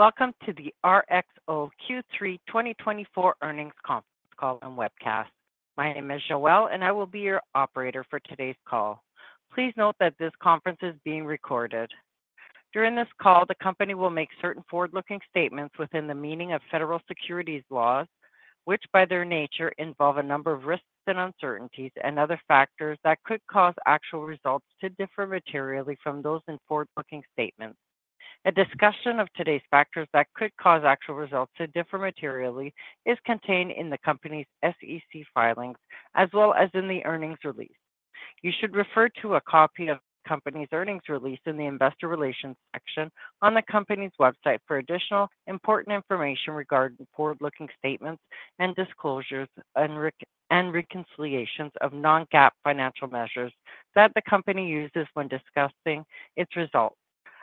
Welcome to the RXO Q3 2024 earnings conference call and webcast. My name is Joelle, and I will be your operator for today's call. Please note that this conference is being recorded. During this call, the company will make certain forward-looking statements within the meaning of federal securities laws, which by their nature involve a number of risks and uncertainties and other factors that could cause actual results to differ materially from those in forward-looking statements. A discussion of today's factors that could cause actual results to differ materially is contained in the company's SEC filings as well as in the earnings release. You should refer to a copy of the company's earnings release in the investor relations section on the company's website for additional important information regarding forward-looking statements and disclosures and reconciliations of non-GAAP financial measures that the company uses when discussing its results.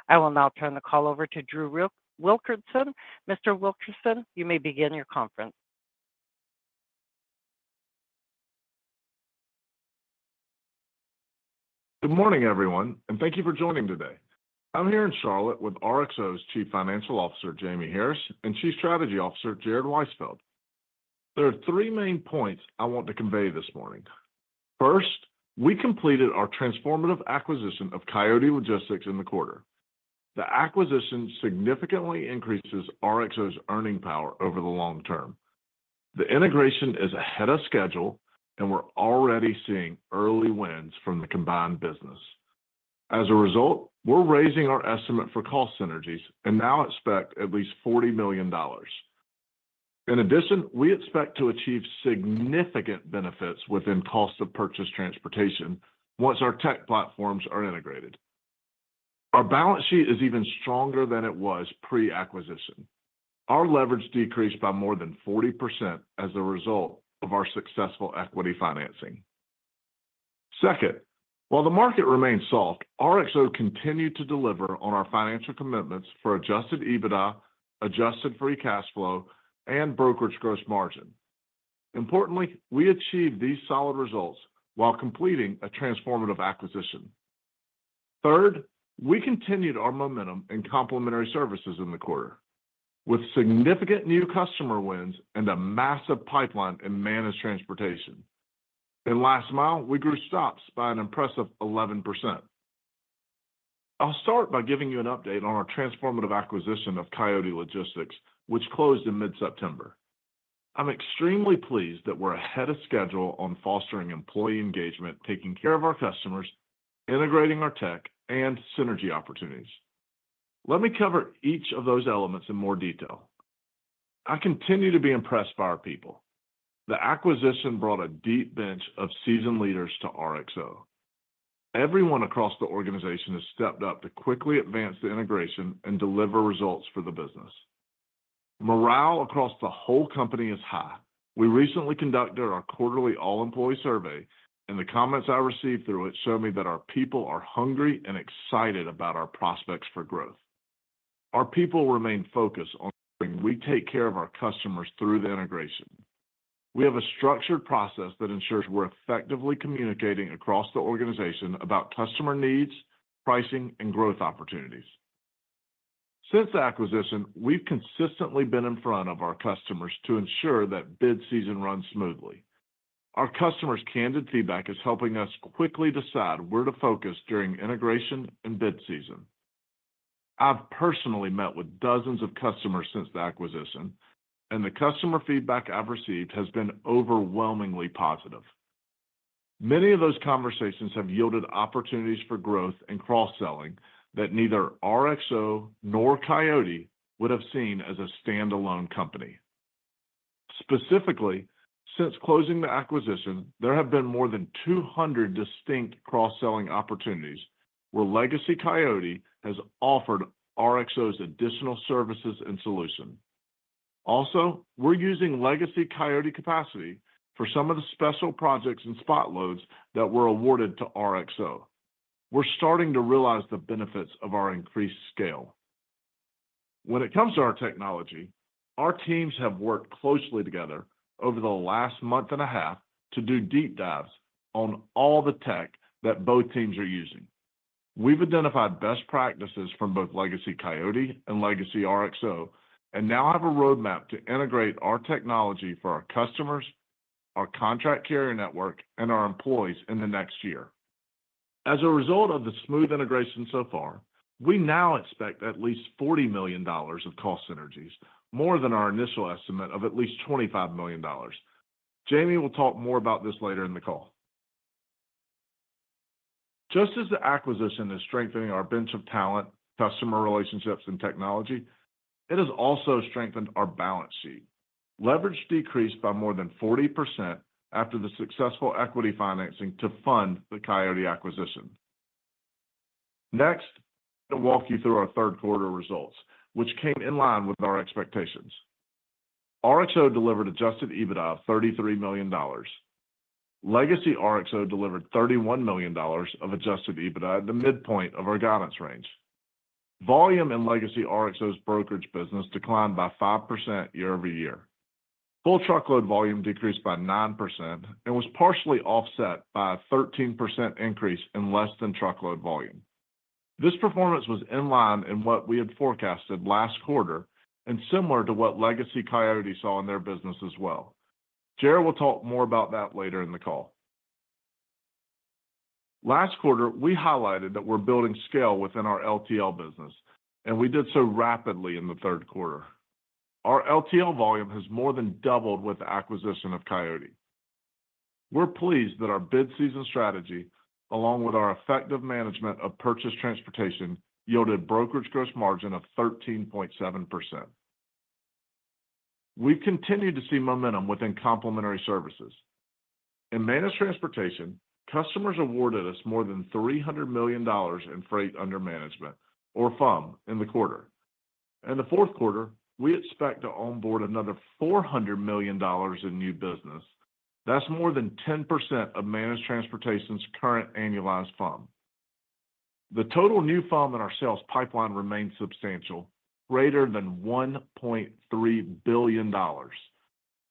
I will now turn the call over to Drew Wilkerson. Mr. Wilkerson, you may begin your conference. Good morning, everyone, and thank you for joining today. I'm here in Charlotte with RXO's Chief Financial Officer, Jamie Harris, and Chief Strategy Officer, Jared Weisfeld. There are three main points I want to convey this morning. First, we completed our transformative acquisition of Coyote Logistics in the quarter. The acquisition significantly increases RXO's earning power over the long term. The integration is ahead of schedule, and we're already seeing early wins from the combined business. As a result, we're raising our estimate for cost synergies and now expect at least $40 million. In addition, we expect to achieve significant benefits within cost of purchased transportation once our tech platforms are integrated. Our balance sheet is even stronger than it was pre-acquisition. Our leverage decreased by more than 40% as a result of our successful equity financing. Second, while the market remained soft, RXO continued to deliver on our financial commitments for Adjusted EBITDA, Adjusted free cash flow, and brokerage gross margin. Importantly, we achieved these solid results while completing a transformative acquisition. Third, we continued our momentum in complementary services in the quarter, with significant new customer wins and a massive pipeline in managed transportation. In last mile, we grew stops by an impressive 11%. I'll start by giving you an update on our transformative acquisition of Coyote Logistics, which closed in mid-September. I'm extremely pleased that we're ahead of schedule on fostering employee engagement, taking care of our customers, integrating our tech, and synergy opportunities. Let me cover each of those elements in more detail. I continue to be impressed by our people. The acquisition brought a deep bench of seasoned leaders to RXO. Everyone across the organization has stepped up to quickly advance the integration and deliver results for the business. Morale across the whole company is high. We recently conducted our quarterly all-employee survey, and the comments I received through it show me that our people are hungry and excited about our prospects for growth. Our people remain focused on ensuring we take care of our customers through the integration. We have a structured process that ensures we're effectively communicating across the organization about customer needs, pricing, and growth opportunities. Since the acquisition, we've consistently been in front of our customers to ensure that bid season runs smoothly. Our customers' candid feedback is helping us quickly decide where to focus during integration and bid season. I've personally met with dozens of customers since the acquisition, and the customer feedback I've received has been overwhelmingly positive. Many of those conversations have yielded opportunities for growth and cross-selling that neither RXO nor Coyote would have seen as a standalone company. Specifically, since closing the acquisition, there have been more than 200 distinct cross-selling opportunities where Legacy Coyote has offered RXO's additional services and solutions. Also, we're using Legacy Coyote capacity for some of the special projects and spot loads that were awarded to RXO. We're starting to realize the benefits of our increased scale. When it comes to our technology, our teams have worked closely together over the last month and a half to do deep dives on all the tech that both teams are using. We've identified best practices from both Legacy Coyote and Legacy RXO and now have a roadmap to integrate our technology for our customers, our contract carrier network, and our employees in the next year. As a result of the smooth integration so far, we now expect at least $40 million of cost synergies, more than our initial estimate of at least $25 million. Jamie will talk more about this later in the call. Just as the acquisition is strengthening our bench of talent, customer relationships, and technology, it has also strengthened our balance sheet. Leverage decreased by more than 40% after the successful equity financing to fund the Coyote acquisition. Next, I'm going to walk you through our Q3 results, which came in line with our expectations. RXO delivered Adjusted EBITDA of $33 million. Legacy RXO delivered $31 million of Adjusted EBITDA at the midpoint of our guidance range. Volume in Legacy RXO's brokerage business declined by 5% year over year. Full truckload volume decreased by 9% and was partially offset by a 13% increase in less-than-truckload volume. This performance was in line with what we had forecasted last quarter and similar to what Legacy Coyote saw in their business as well. Jared will talk more about that later in the call. Last quarter, we highlighted that we're building scale within our LTL business, and we did so rapidly in the Q3. Our LTL volume has more than doubled with the acquisition of Coyote. We're pleased that our bid season strategy, along with our effective management of purchased transportation, yielded a brokerage gross margin of 13.7%. We've continued to see momentum within complementary services. In managed transportation, customers awarded us more than $300 million in freight under management, or FUM, in the quarter. In the Q4, we expect to onboard another $400 million in new business. That's more than 10% of managed transportation's current annualized FUM. The total new FUM in our sales pipeline remains substantial, greater than $1.3 billion.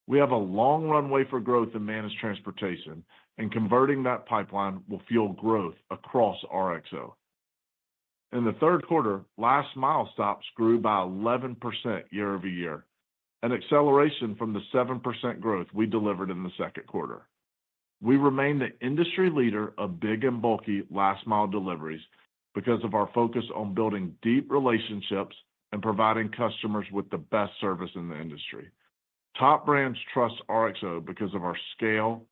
We have a long runway for growth in managed transportation, and converting that pipeline will fuel growth across RXO. In the Q3, last-mile stops grew by 11% year over year, an acceleration from the 7% growth we delivered in the Q2. We remain the industry leader of big and bulky last-mile deliveries because of our focus on building deep relationships and providing customers with the best service in the industry. Top brands trust RXO because of our scale,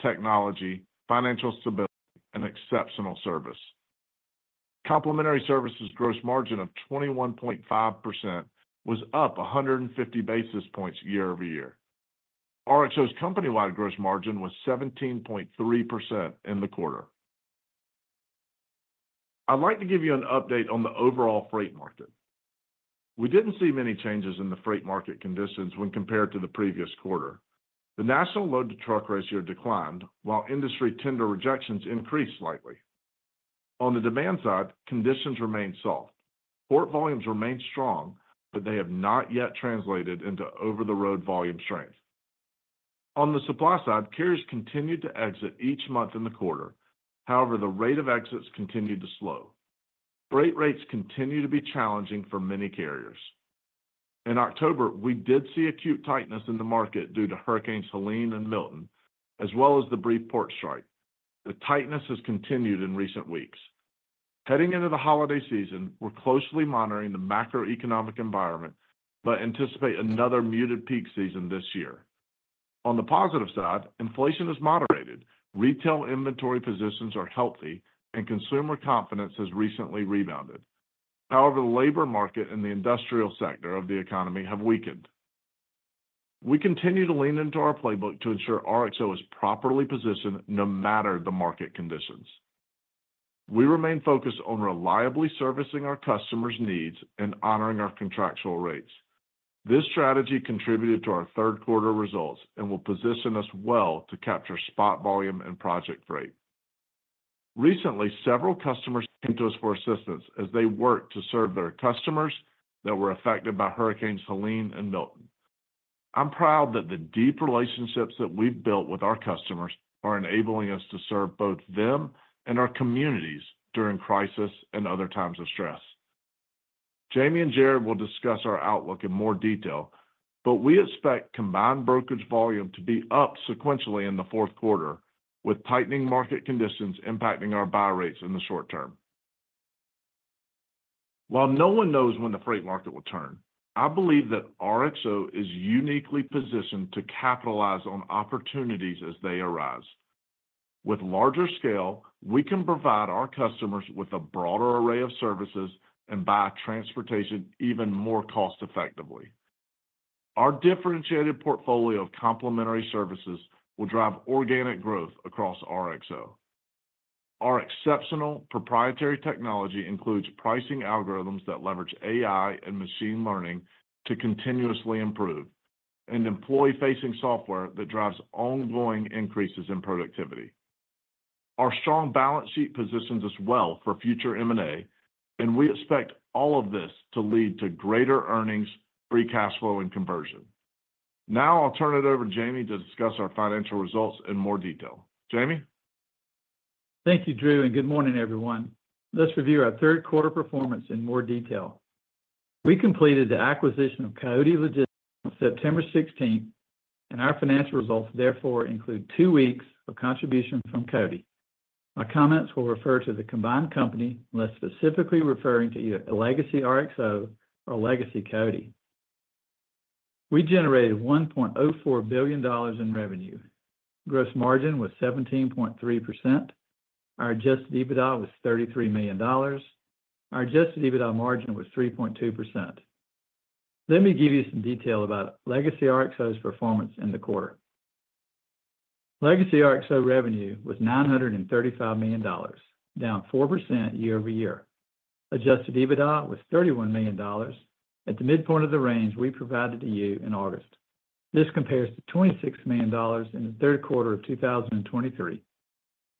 technology, financial stability, and exceptional service. Complementary services' gross margin of 21.5% was up 150 basis points year over year. RXO's company-wide gross margin was 17.3% in the quarter. I'd like to give you an update on the overall freight market. We didn't see many changes in the freight market conditions when compared to the previous quarter. The national load-to-truck ratio declined, while industry tender rejections increased slightly. On the demand side, conditions remain soft. Port volumes remain strong, but they have not yet translated into over-the-road volume strength. On the supply side, carriers continued to exit each month in the quarter. However, the rate of exits continued to slow. Freight rates continue to be challenging for many carriers. In October, we did see acute tightness in the market due to Hurricanes Helene and Milton, as well as the brief port strike. The tightness has continued in recent weeks. Heading into the holiday season, we're closely monitoring the macroeconomic environment but anticipate another muted peak season this year. On the positive side, inflation is moderated, retail inventory positions are healthy, and consumer confidence has recently rebounded. However, the labor market and the industrial sector of the economy have weakened. We continue to lean into our playbook to ensure RXO is properly positioned no matter the market conditions. We remain focused on reliably servicing our customers' needs and honoring our contractual rates. This strategy contributed to our Q3 results and will position us well to capture spot volume and project freight. Recently, several customers came to us for assistance as they worked to serve their customers that were affected by Hurricanes Helene and Milton. I'm proud that the deep relationships that we've built with our customers are enabling us to serve both them and our communities during crisis and other times of stress. Jamie and Jared will discuss our outlook in more detail, but we expect combined brokerage volume to be up sequentially in the Q4, with tightening market conditions impacting our buy rates in the short term. While no one knows when the freight market will turn, I believe that RXO is uniquely positioned to capitalize on opportunities as they arise. With larger scale, we can provide our customers with a broader array of services and buy transportation even more cost-effectively. Our differentiated portfolio of complementary services will drive organic growth across RXO. Our exceptional proprietary technology includes pricing algorithms that leverage AI and machine learning to continuously improve, and employee-facing software that drives ongoing increases in productivity. Our strong balance sheet positions us well for future M&A, and we expect all of this to lead to greater earnings, free cash flow, and conversion. Now I'll turn it over to Jamie to discuss our financial results in more detail. Jamie? Thank you, Drew, and good morning, everyone. Let's review our Q3 performance in more detail. We completed the acquisition of Coyote Logistics on September 16th, and our financial results therefore include two weeks of contribution from Coyote. My comments will refer to the combined company, and that's specifically referring to either Legacy RXO or Legacy Coyote. We generated $1.04 billion in revenue. Gross margin was 17.3%. Our adjusted EBITDA was $33 million. Our adjusted EBITDA margin was 3.2%. Let me give you some detail about Legacy RXO's performance in the quarter. Legacy RXO revenue was $935 million, down 4% year over year. Adjusted EBITDA was $31 million at the midpoint of the range we provided to you in August. This compares to $26 million in the Q3 of 2023.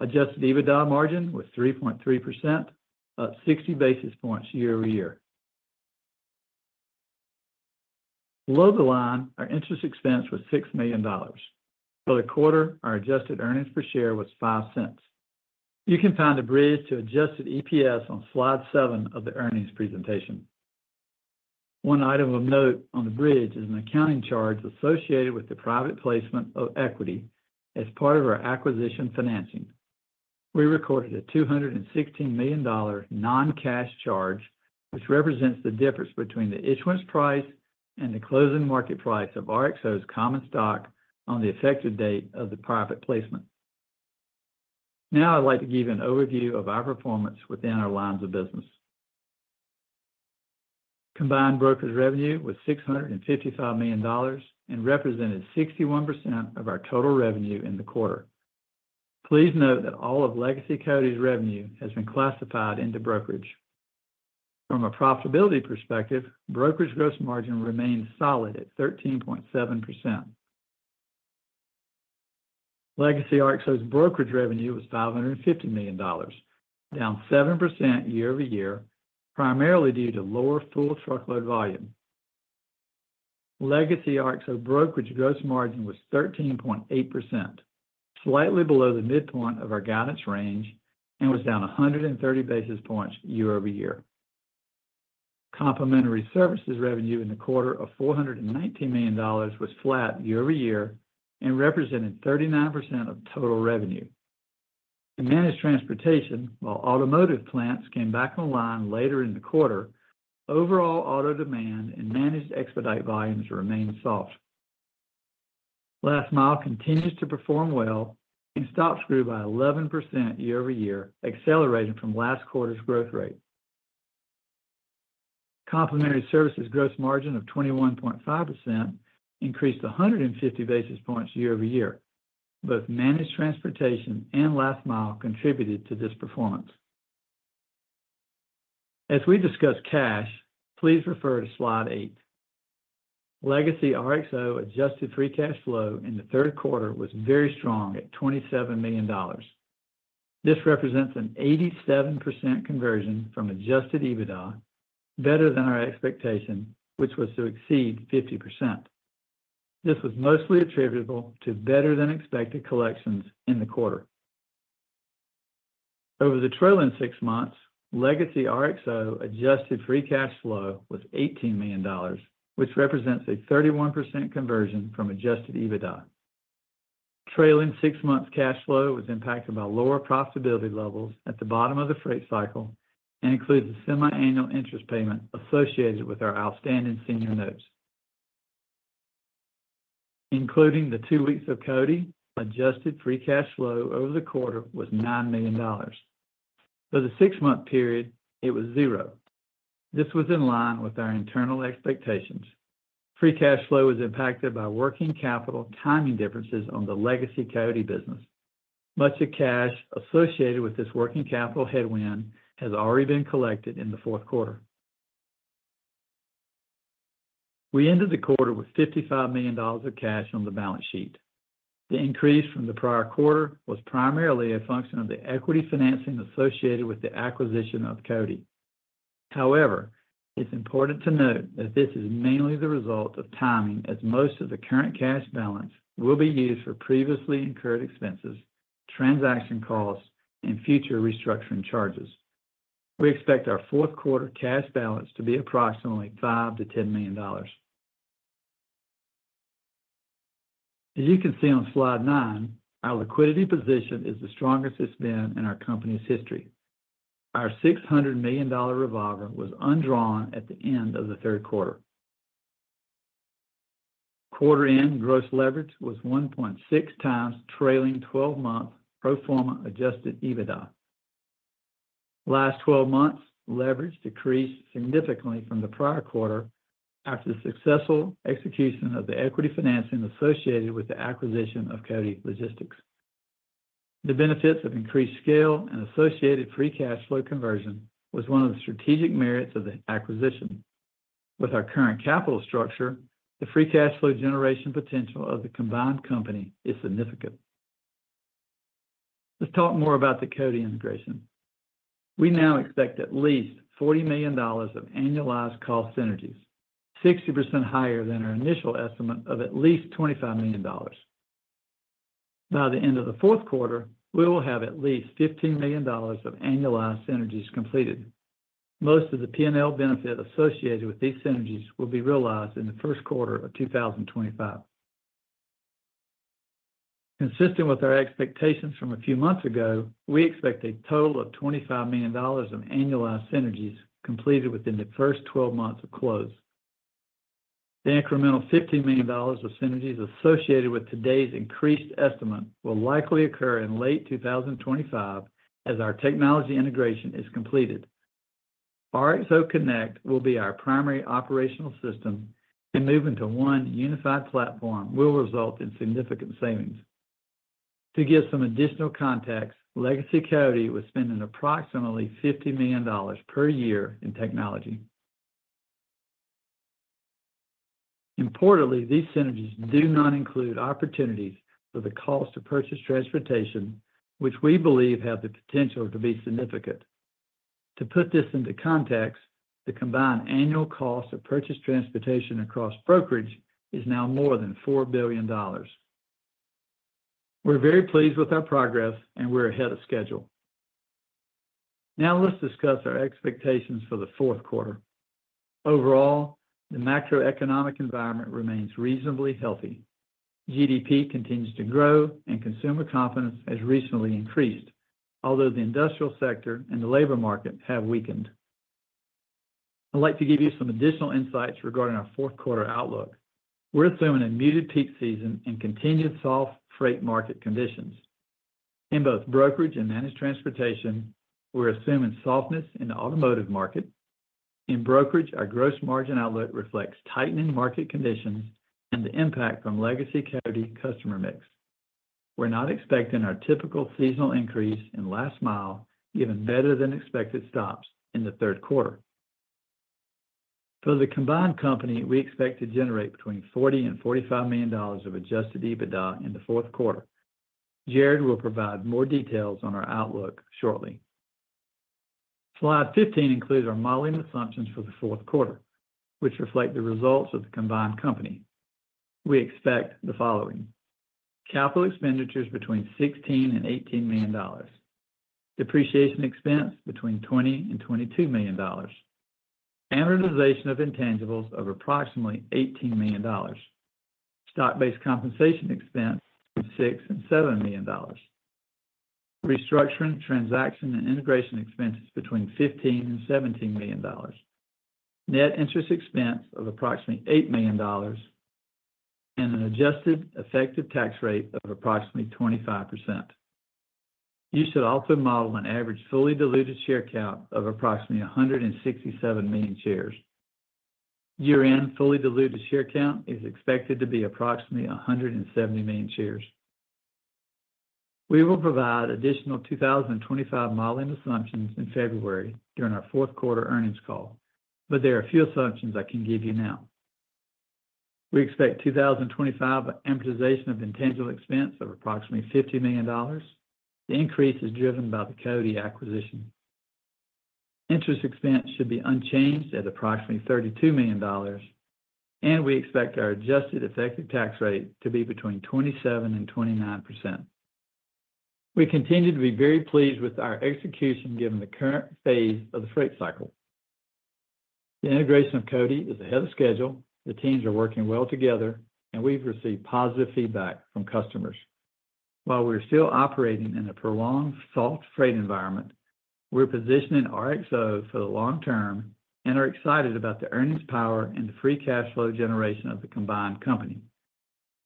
Adjusted EBITDA margin was 3.3%, up 60 basis points year over year. Below the line, our interest expense was $6 million. For the quarter, our adjusted earnings per share was $0.05. You can find the bridge to adjusted EPS on slide seven of the earnings presentation. One item of note on the bridge is an accounting charge associated with the private placement of equity as part of our acquisition financing. We recorded a $216 million non-cash charge, which represents the difference between the issuance price and the closing market price of RXO's common stock on the effective date of the private placement. Now I'd like to give you an overview of our performance within our lines of business. Combined brokerage revenue was $655 million and represented 61% of our total revenue in the quarter. Please note that all of Legacy Coyote's revenue has been classified into brokerage. From a profitability perspective, brokerage gross margin remained solid at 13.7%. Legacy RXO's brokerage revenue was $550 million, down 7% year over year, primarily due to lower full truckload volume. Legacy RXO brokerage gross margin was 13.8%, slightly below the midpoint of our guidance range, and was down 130 basis points year over year. Complementary services revenue in the quarter of $419 million was flat year over year and represented 39% of total revenue. In managed transportation, while automotive plants came back online later in the quarter, overall auto demand and managed expedite volumes remained soft. Last mile continues to perform well and volume grew by 11% year over year, accelerating from last quarter's growth rate. Complementary services gross margin of 21.5% increased 150 basis points year over year. Both managed transportation and last mile contributed to this performance. As we discuss cash, please refer to slide eight. Legacy RXO adjusted free cash flow in the Q3 was very strong at $27 million. This represents an 87% conversion from adjusted EBITDA, better than our expectation, which was to exceed 50%. This was mostly attributable to better-than-expected collections in the quarter. Over the trailing six months, Legacy RXO adjusted free cash flow was $18 million, which represents a 31% conversion from adjusted EBITDA. Trailing six-month cash flow was impacted by lower profitability levels at the bottom of the freight cycle and includes the semi-annual interest payment associated with our outstanding senior notes. Including the two weeks of Coyote, adjusted free cash flow over the quarter was $9 million. For the six-month period, it was zero. This was in line with our internal expectations. Free cash flow was impacted by working capital timing differences on the Legacy Coyote business. Much of cash associated with this working capital headwind has already been collected in the Q4. We ended the quarter with $55 million of cash on the balance sheet. The increase from the prior quarter was primarily a function of the equity financing associated with the acquisition of Coyote. However, it's important to note that this is mainly the result of timing, as most of the current cash balance will be used for previously incurred expenses, transaction costs, and future restructuring charges. We expect our Q4 cash balance to be approximately $5million-$10 million. As you can see on slide nine, our liquidity position is the strongest it's been in our company's history. Our $600 million revolver was undrawn at the end of the Q3. Quarter-end gross leverage was 1.6 times trailing 12-month pro forma adjusted EBITDA. Last 12 months' leverage decreased significantly from the prior quarter after the successful execution of the equity financing associated with the acquisition of Coyote Logistics. The benefits of increased scale and associated free cash flow conversion were one of the strategic merits of the acquisition. With our current capital structure, the free cash flow generation potential of the combined company is significant. Let's talk more about the Coyote integration. We now expect at least $40 million of annualized cost synergies, 60% higher than our initial estimate of at least $25 million. By the end of the Q4, we will have at least $15 million of annualized synergies completed. Most of the P&L benefit associated with these synergies will be realized in the first quarter of 2025. Consistent with our expectations from a few months ago, we expect a total of $25 million of annualized synergies completed within the first 12 months of close. The incremental $15 million of synergies associated with today's increased estimate will likely occur in late 2025 as our technology integration is completed. RXO Connect will be our primary operational system, and moving to one unified platform will result in significant savings. To give some additional context, Legacy Coyote was spending approximately $50 million per year in technology. Importantly, these synergies do not include opportunities for the cost of purchased transportation, which we believe have the potential to be significant. To put this into context, the combined annual cost of purchased transportation across brokerage is now more than $4 billion. We're very pleased with our progress, and we're ahead of schedule. Now let's discuss our expectations for the Q4. Overall, the macroeconomic environment remains reasonably healthy. GDP continues to grow, and consumer confidence has recently increased, although the industrial sector and the labor market have weakened. I'd like to give you some additional insights regarding our Q4 outlook. We're assuming a muted peak season and continued soft freight market conditions. In both brokerage and managed transportation, we're assuming softness in the automotive market. In brokerage, our gross margin outlook reflects tightening market conditions and the impact from Legacy Coyote customer mix. We're not expecting our typical seasonal increase in last mile, even better than expected stops in the Q3. For the combined company, we expect to generate between $40 and $45 million of adjusted EBITDA in the Q4. Jared will provide more details on our outlook shortly. Slide 15 includes our modeling assumptions for the Q4, which reflect the results of the combined company. We expect the following: capital expenditures between $16 million-$18 million, depreciation expense between $20 million-$22 million, amortization of intangibles of approximately $18 million, stock-based compensation expense between $6 million-$7 million, restructuring transaction and integration expenses between $15 million-$17 million, net interest expense of approximately $8 million, and an adjusted effective tax rate of approximately 25%. You should also model an average fully diluted share count of approximately 167 million shares. Year-end fully diluted share count is expected to be approximately 170 million shares. We will provide additional 2025 modeling assumptions in February during our Q4 earnings call, but there are a few assumptions I can give you now. We expect 2025 amortization of intangible expense of approximately $50 million. The increase is driven by the Coyote acquisition. Interest expense should be unchanged at approximately $32 million, and we expect our adjusted effective tax rate to be between 27% and 29%. We continue to be very pleased with our execution given the current phase of the freight cycle. The integration of Coyote is ahead of schedule. The teams are working well together, and we've received positive feedback from customers. While we're still operating in a prolonged soft freight environment, we're positioning RXO for the long term and are excited about the earnings power and the free cash flow generation of the combined company.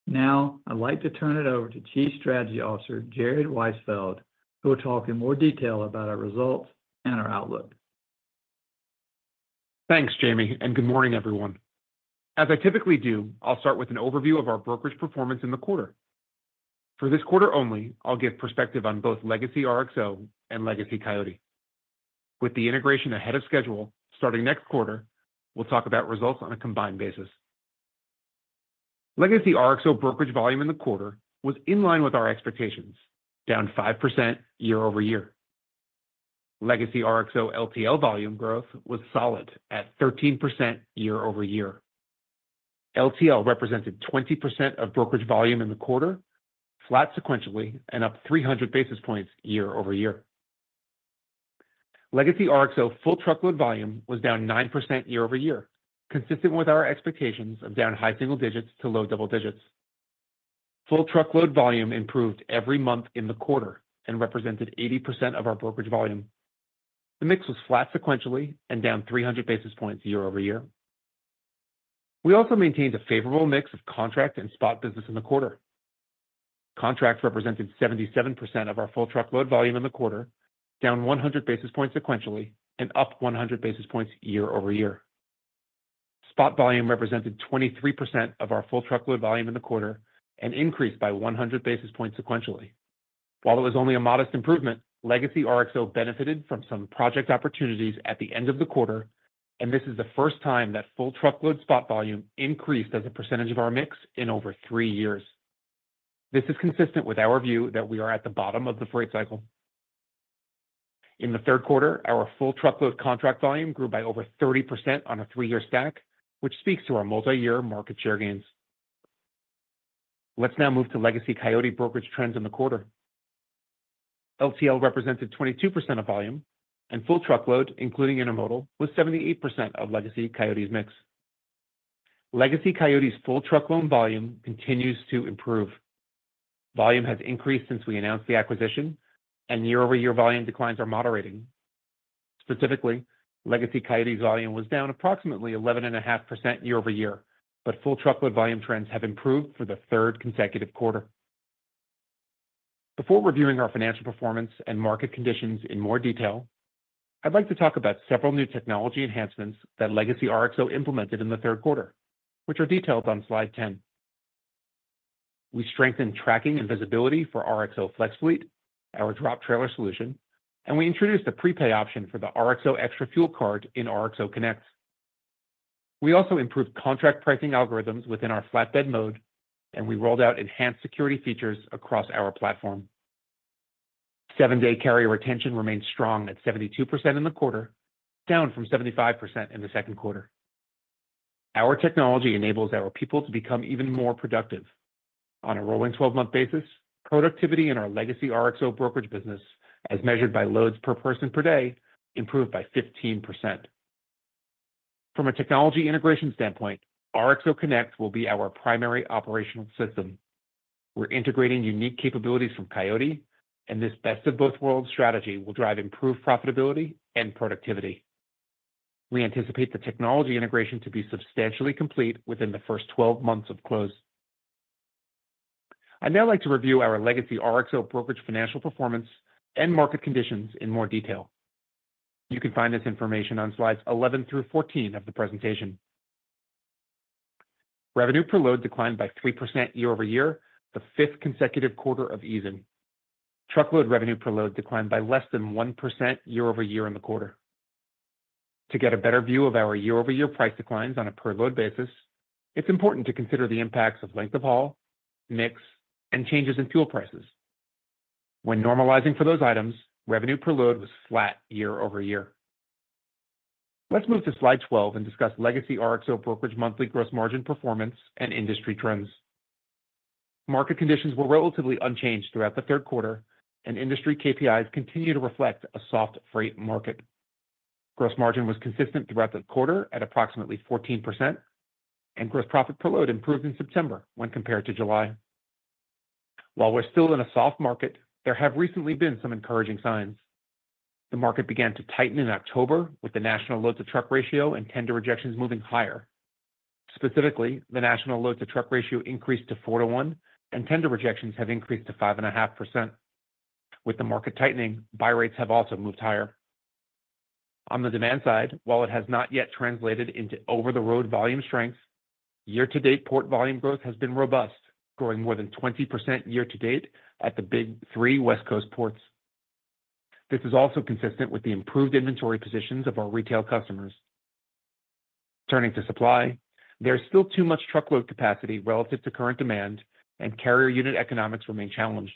Now I'd like to turn it over to Chief Strategy Officer Jared Weisfeld, who will talk in more detail about our results and our outlook. Thanks, Jamie, and good morning, everyone. As I typically do, I'll start with an overview of our brokerage performance in the quarter. For this quarter only, I'll give perspective on both Legacy RXO and Legacy Coyote. With the integration ahead of schedule starting next quarter, we'll talk about results on a combined basis. Legacy RXO brokerage volume in the quarter was in line with our expectations, down 5% year over year. Legacy RXO LTL volume growth was solid at 13% year over year. LTL represented 20% of brokerage volume in the quarter, flat sequentially and up 300 basis points year over year. Legacy RXO full truckload volume was down 9% year over year, consistent with our expectations of down high single digits to low double digits. Full truckload volume improved every month in the quarter and represented 80% of our brokerage volume. The mix was flat sequentially and down 300 basis points year over year. We also maintained a favorable mix of contract and spot business in the quarter. Contract represented 77% of our full truckload volume in the quarter, down 100 basis points sequentially and up 100 basis points year over year. Spot volume represented 23% of our full truckload volume in the quarter and increased by 100 basis points sequentially. While it was only a modest improvement, Legacy RXO benefited from some project opportunities at the end of the quarter, and this is the first time that full truckload spot volume increased as a percentage of our mix in over three years. This is consistent with our view that we are at the bottom of the freight cycle. In the Q3, our full truckload contract volume grew by over 30% on a three-year stack, which speaks to our multi-year market share gains. Let's now move to Legacy Coyote brokerage trends in the quarter. LTL represented 22% of volume, and full truckload, including intermodal, was 78% of Legacy Coyote's mix. Legacy Coyote's full truckload volume continues to improve. Volume has increased since we announced the acquisition, and year-over-year volume declines are moderating. Specifically, Legacy Coyote's volume was down approximately 11.5% year over year, but full truckload volume trends have improved for the third consecutive quarter. Before reviewing our financial performance and market conditions in more detail, I'd like to talk about several new technology enhancements that Legacy RXO implemented in the Q3, which are detailed on slide 10. We strengthened tracking and visibility for RXO Flex Fleet, our drop trailer solution, and we introduced a prepay option for the RXO Extra fuel card in RXO Connect. We also improved contract pricing algorithms within our flatbed mode, and we rolled out enhanced security features across our platform. Seven-day carrier retention remained strong at 72% in the quarter, down from 75% in the Q2. Our technology enables our people to become even more productive. On a rolling 12-month basis, productivity in our Legacy RXO brokerage business, as measured by loads per person per day, improved by 15%. From a technology integration standpoint, RXO Connect will be our primary operational system. We're integrating unique capabilities from Coyote, and this best-of-both-worlds strategy will drive improved profitability and productivity. We anticipate the technology integration to be substantially complete within the first 12 months of close. I'd now like to review our Legacy RXO brokerage financial performance and market conditions in more detail. You can find this information on slides 11 through 14 of the presentation. Revenue per load declined by 3% year-over-year, the fifth consecutive quarter of easing. Truckload revenue per load declined by less than 1% year-over-year in the quarter. To get a better view of our year-over-year price declines on a per load basis, it's important to consider the impacts of length of haul, mix, and changes in fuel prices. When normalizing for those items, revenue per load was flat year-over-year. Let's move to slide 12 and discuss Legacy RXO brokerage monthly gross margin performance and industry trends. Market conditions were relatively unchanged throughout the Q3, and industry KPIs continue to reflect a soft freight market. Gross margin was consistent throughout the quarter at approximately 14%, and gross profit per load improved in September when compared to July. While we're still in a soft market, there have recently been some encouraging signs. The market began to tighten in October with the national load-to-truck ratio and tender rejections moving higher. Specifically, the national load-to-truck ratio increased to 4:1, and tender rejections have increased to 5.5%. With the market tightening, buy rates have also moved higher. On the demand side, while it has not yet translated into over-the-road volume strength, year-to-date port volume growth has been robust, growing more than 20% year-to-date at the big three West Coast ports. This is also consistent with the improved inventory positions of our retail customers. Turning to supply, there is still too much truckload capacity relative to current demand, and carrier unit economics remain challenged.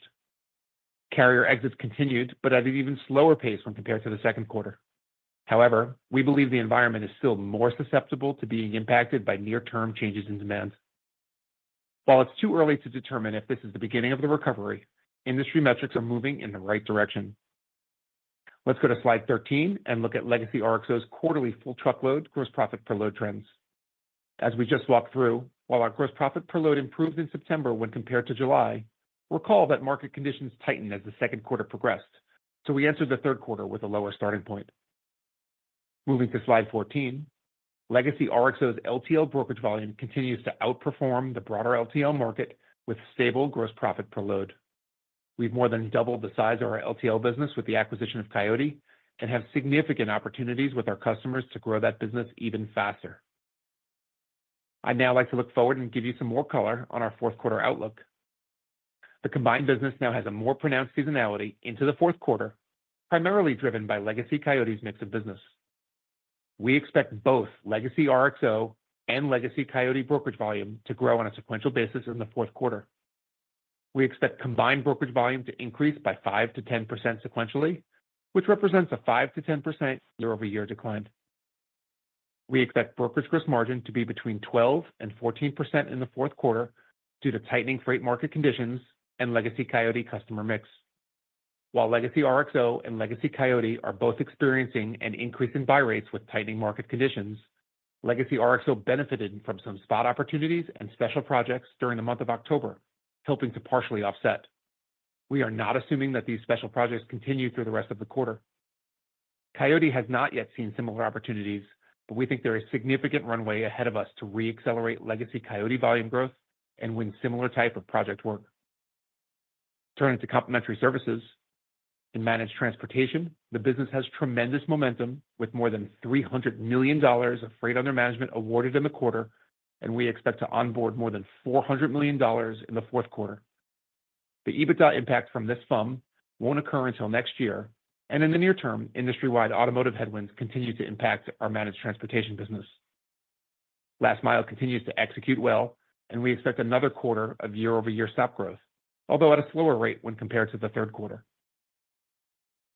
Carrier exits continued, but at an even slower pace when compared to the Q2. However, we believe the environment is still more susceptible to being impacted by near-term changes in demand. While it's too early to determine if this is the beginning of the recovery, industry metrics are moving in the right direction. Let's go to slide 13 and look at Legacy RXO's quarterly full truckload gross profit per load trends. As we just walked through, while our gross profit per load improved in September when compared to July, recall that market conditions tightened as the Q2 progressed, so we entered the Q3 with a lower starting point. Moving to slide 14, Legacy RXO's LTL brokerage volume continues to outperform the broader LTL market with stable gross profit per load. We've more than doubled the size of our LTL business with the acquisition of Coyote and have significant opportunities with our customers to grow that business even faster. I'd now like to look forward and give you some more color on our Q4 outlook. The combined business now has a more pronounced seasonality into the Q4, primarily driven by Legacy Coyote's mix of business. We expect both Legacy RXO and Legacy Coyote brokerage volume to grow on a sequential basis in the Q4. We expect combined brokerage volume to increase by 5%-10% sequentially, which represents a 5%-10% year-over-year decline. We expect brokerage gross margin to be between 12% and 14% in the Q4 due to tightening freight market conditions and Legacy Coyote customer mix. While Legacy RXO and Legacy Coyote are both experiencing an increase in buy rates with tightening market conditions, Legacy RXO benefited from some spot opportunities and special projects during the month of October, helping to partially offset. We are not assuming that these special projects continue through the rest of the quarter. Coyote has not yet seen similar opportunities, but we think there is significant runway ahead of us to re-accelerate Legacy Coyote volume growth and win similar types of project work. Turning to complementary services in managed transportation, the business has tremendous momentum with more than $300 million of freight under management awarded in the quarter, and we expect to onboard more than $400 million in the Q4. The EBITDA impact from this win won't occur until next year, and in the near term, industry-wide automotive headwinds continue to impact our managed transportation business. Last mile continues to execute well, and we expect another quarter of year-over-year spot growth, although at a slower rate when compared to the Q3.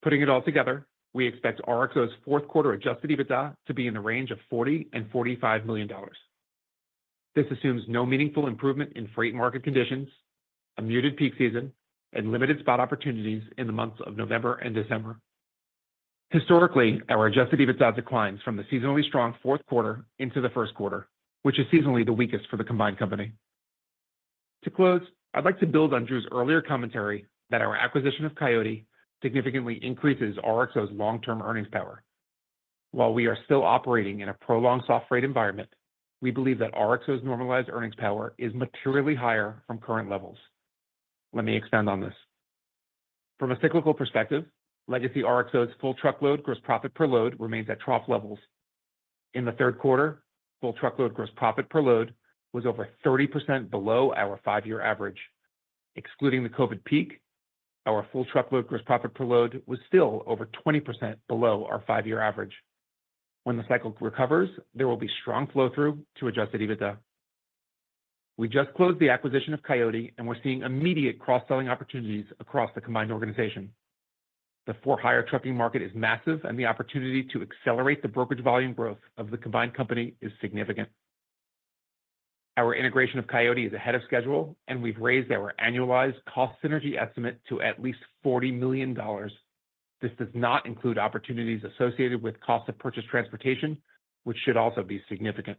Putting it all together, we expect RXO's Q4 adjusted EBITDA to be in the range of $40-$45 million. This assumes no meaningful improvement in freight market conditions, a muted peak season, and limited spot opportunities in the months of November and December. Historically, our adjusted EBITDA declines from the seasonally strong Q4 into the first quarter, which is seasonally the weakest for the combined company. To close, I'd like to build on Drew's earlier commentary that our acquisition of Coyote significantly increases RXO's long-term earnings power. While we are still operating in a prolonged soft freight environment, we believe that RXO's normalized earnings power is materially higher from current levels. Let me expand on this. From a cyclical perspective, Legacy RXO's full truckload gross profit per load remains at trough levels. In the Q3, full truckload gross profit per load was over 30% below our five-year average. Excluding the COVID peak, our full truckload gross profit per load was still over 20% below our five-year average. When the cycle recovers, there will be strong flow-through to adjusted EBITDA. We just closed the acquisition of Coyote, and we're seeing immediate cross-selling opportunities across the combined organization. The for-hire trucking market is massive, and the opportunity to accelerate the brokerage volume growth of the combined company is significant. Our integration of Coyote is ahead of schedule, and we've raised our annualized cost synergy estimate to at least $40 million. This does not include opportunities associated with cost of purchased transportation, which should also be significant.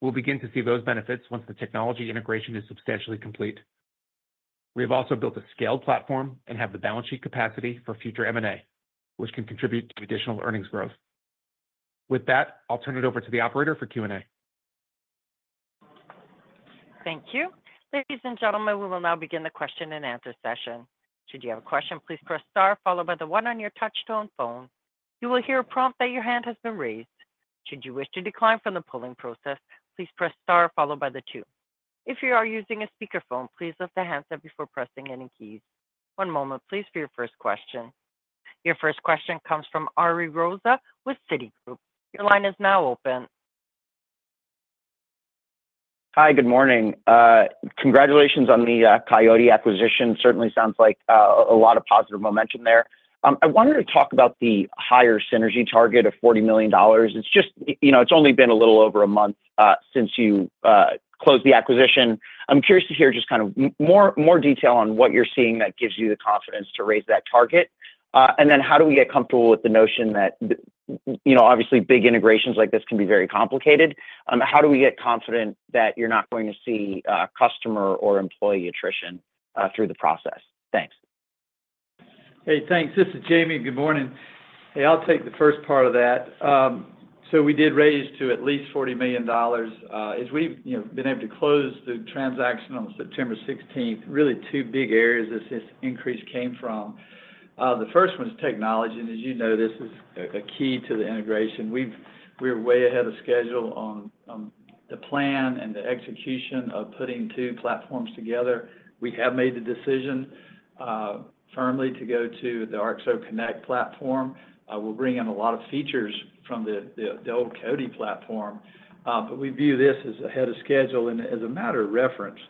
We'll begin to see those benefits once the technology integration is substantially complete. We have also built a scaled platform and have the balance sheet capacity for future M&A, which can contribute to additional earnings growth. With that, I'll turn it over to the operator for Q&A. Thank you. Ladies and gentlemen, we will now begin the question and answer session. Should you have a question, please press star, followed by the one on your touch-tone phone. You will hear a prompt that your hand has been raised. Should you wish to decline from the polling process, please press star, followed by the two. If you are using a speakerphone, please lift the handset up before pressing any keys. One moment, please, for your first question. Your first question comes from Ari Rosa with Citigroup. Your line is now open. Hi, good morning. Congratulations on the Coyote acquisition. Certainly sounds like a lot of positive momentum there. I wanted to talk about the higher synergy target of $40 million. It's only been a little over a month since you closed the acquisition. I'm curious to hear just kind of more detail on what you're seeing that gives you the confidence to raise that target. And then how do we get comfortable with the notion that, obviously, big integrations like this can be very complicated? How do we get confident that you're not going to see customer or employee attrition through the process? Thanks. Hey, thanks. This is Jamie. Good morning. Hey, I'll take the first part of that. So we did raise to at least $40 million. As we've been able to close the transaction on September 16, really two big areas this increase came from. The first one is technology, and as you know, this is a key to the integration. We're way ahead of schedule on the plan and the execution of putting two platforms together. We have made the decision firmly to go to the RXO Connect platform. We'll bring in a lot of features from the old Coyote platform, but we view this as ahead of schedule. And as a matter of reference,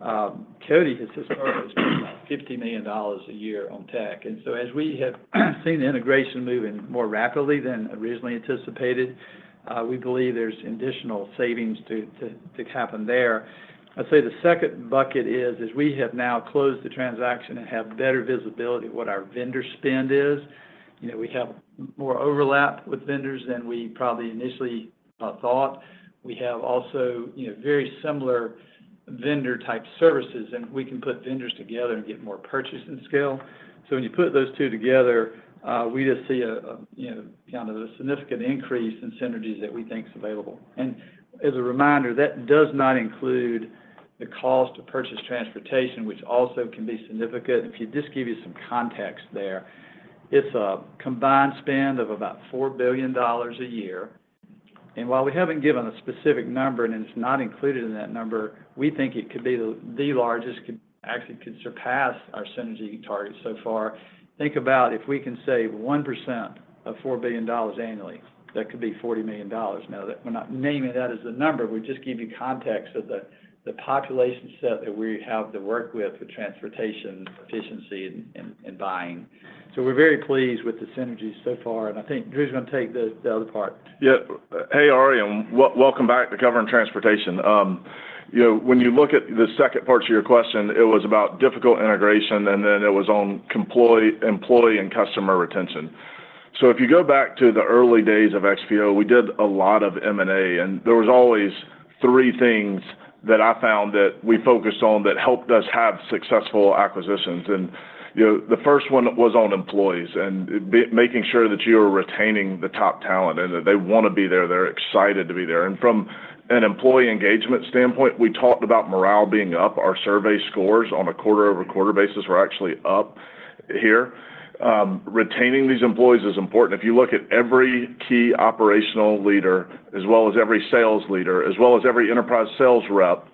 Coyote has historically spent about $50 million a year on tech. And so as we have seen the integration moving more rapidly than originally anticipated, we believe there's additional savings to happen there. I'd say the second bucket is, as we have now closed the transaction and have better visibility of what our vendor spend is, we have more overlap with vendors than we probably initially thought. We have also very similar vendor-type services, and we can put vendors together and get more purchase and scale. So when you put those two together, we just see a kind of a significant increase in synergies that we think is available. And as a reminder, that does not include the cost of purchased transportation, which also can be significant. If I just give you some context there, it's a combined spend of about $4 billion a year. And while we haven't given a specific number, and it's not included in that number, we think it could be the largest, actually could surpass our synergy target so far. Think about if we can save 1% of $4 billion annually, that could be $40 million. Now, we're not naming that as a number. We just give you context of the population set that we have to work with for transportation efficiency and buying. So we're very pleased with the synergies so far, and I think Drew's going to take the other part. Yeah. Hey, Ari, and welcome back to Covering Transportation. When you look at the second parts of your question, it was about difficult integration, and then it was on employee and customer retention, so if you go back to the early days of XPO, we did a lot of M&A, and there were always three things that I found that we focused on that helped us have successful acquisitions, and the first one was on employees and making sure that you are retaining the top talent and that they want to be there. They're excited to be there, and from an employee engagement standpoint, we talked about morale being up. Our survey scores on a quarter-over-quarter basis were actually up here. Retaining these employees is important. If you look at every key operational leader, as well as every sales leader, as well as every enterprise sales rep,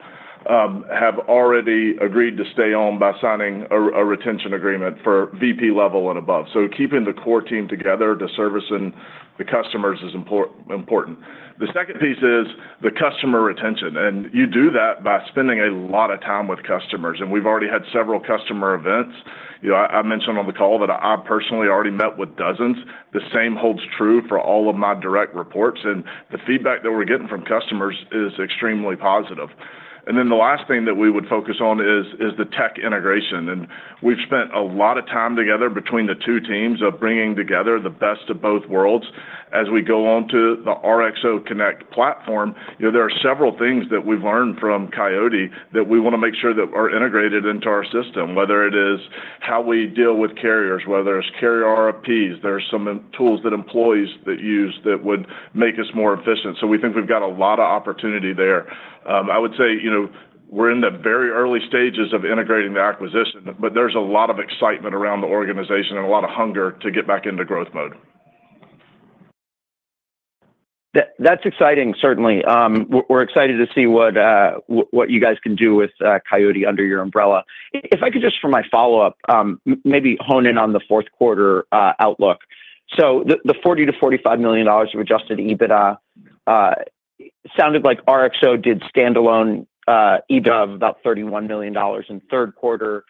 have already agreed to stay on by signing a retention agreement for VP level and above. So keeping the core team together to service the customers is important. The second piece is the customer retention, and you do that by spending a lot of time with customers. And we've already had several customer events. I mentioned on the call that I've personally already met with dozens. The same holds true for all of my direct reports, and the feedback that we're getting from customers is extremely positive. And then the last thing that we would focus on is the tech integration. And we've spent a lot of time together between the two teams of bringing together the best of both worlds. As we go on to the RXO Connect platform, there are several things that we've learned from Coyote that we want to make sure that are integrated into our system, whether it is how we deal with carriers, whether it's carrier RFPs. There are some tools that employees use that would make us more efficient. So we think we've got a lot of opportunity there. I would say we're in the very early stages of integrating the acquisition, but there's a lot of excitement around the organization and a lot of hunger to get back into growth mode. That's exciting, certainly. We're excited to see what you guys can do with Coyote under your umbrella. If I could just, for my follow-up, maybe hone in on the Q4 outlook. So the $40 million-$45 million of Adjusted EBITDA sounded like RXO did standalone EBITDA of about $31 million in Q3.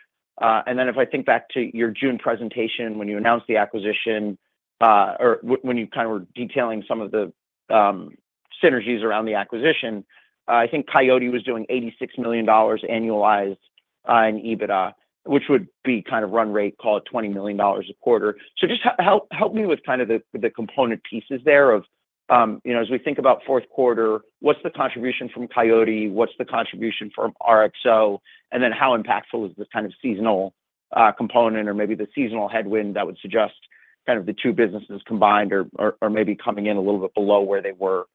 And then if I think back to your June presentation when you announced the acquisition or when you kind of were detailing some of the synergies around the acquisition, I think Coyote was doing $86 million annualized in EBITDA, which would be kind of run rate, call it $20 million a quarter. So just help me with kind of the component pieces there of, as we think about Q4, what's the contribution from Coyote? What's the contribution from RXO? Then how impactful is the kind of seasonal component or maybe the seasonal headwind that would suggest kind of the two businesses combined or maybe coming in a little bit below where they were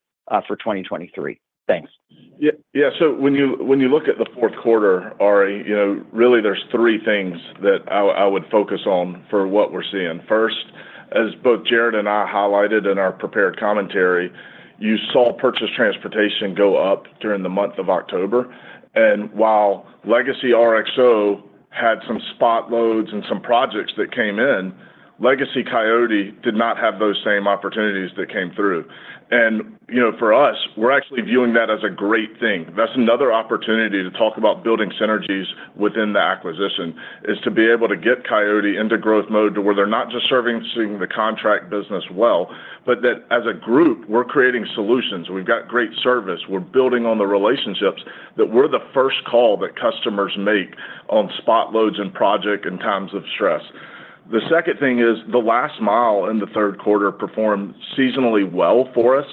for 2023? Thanks. Yeah. So when you look at the Q4, Ari, really there's three things that I would focus on for what we're seeing. First, as both Jared and I highlighted in our prepared commentary, you saw purchased transportation go up during the month of October. And while Legacy RXO had some spot loads and some projects that came in, Legacy Coyote did not have those same opportunities that came through. And for us, we're actually viewing that as a great thing. That's another opportunity to talk about building synergies within the acquisition is to be able to get Coyote into growth mode to where they're not just serving the contract business well, but that as a group, we're creating solutions. We've got great service. We're building on the relationships that we're the first call that customers make on spot loads and project and times of stress. The second thing is the last mile in the Q3 performed seasonally well for us,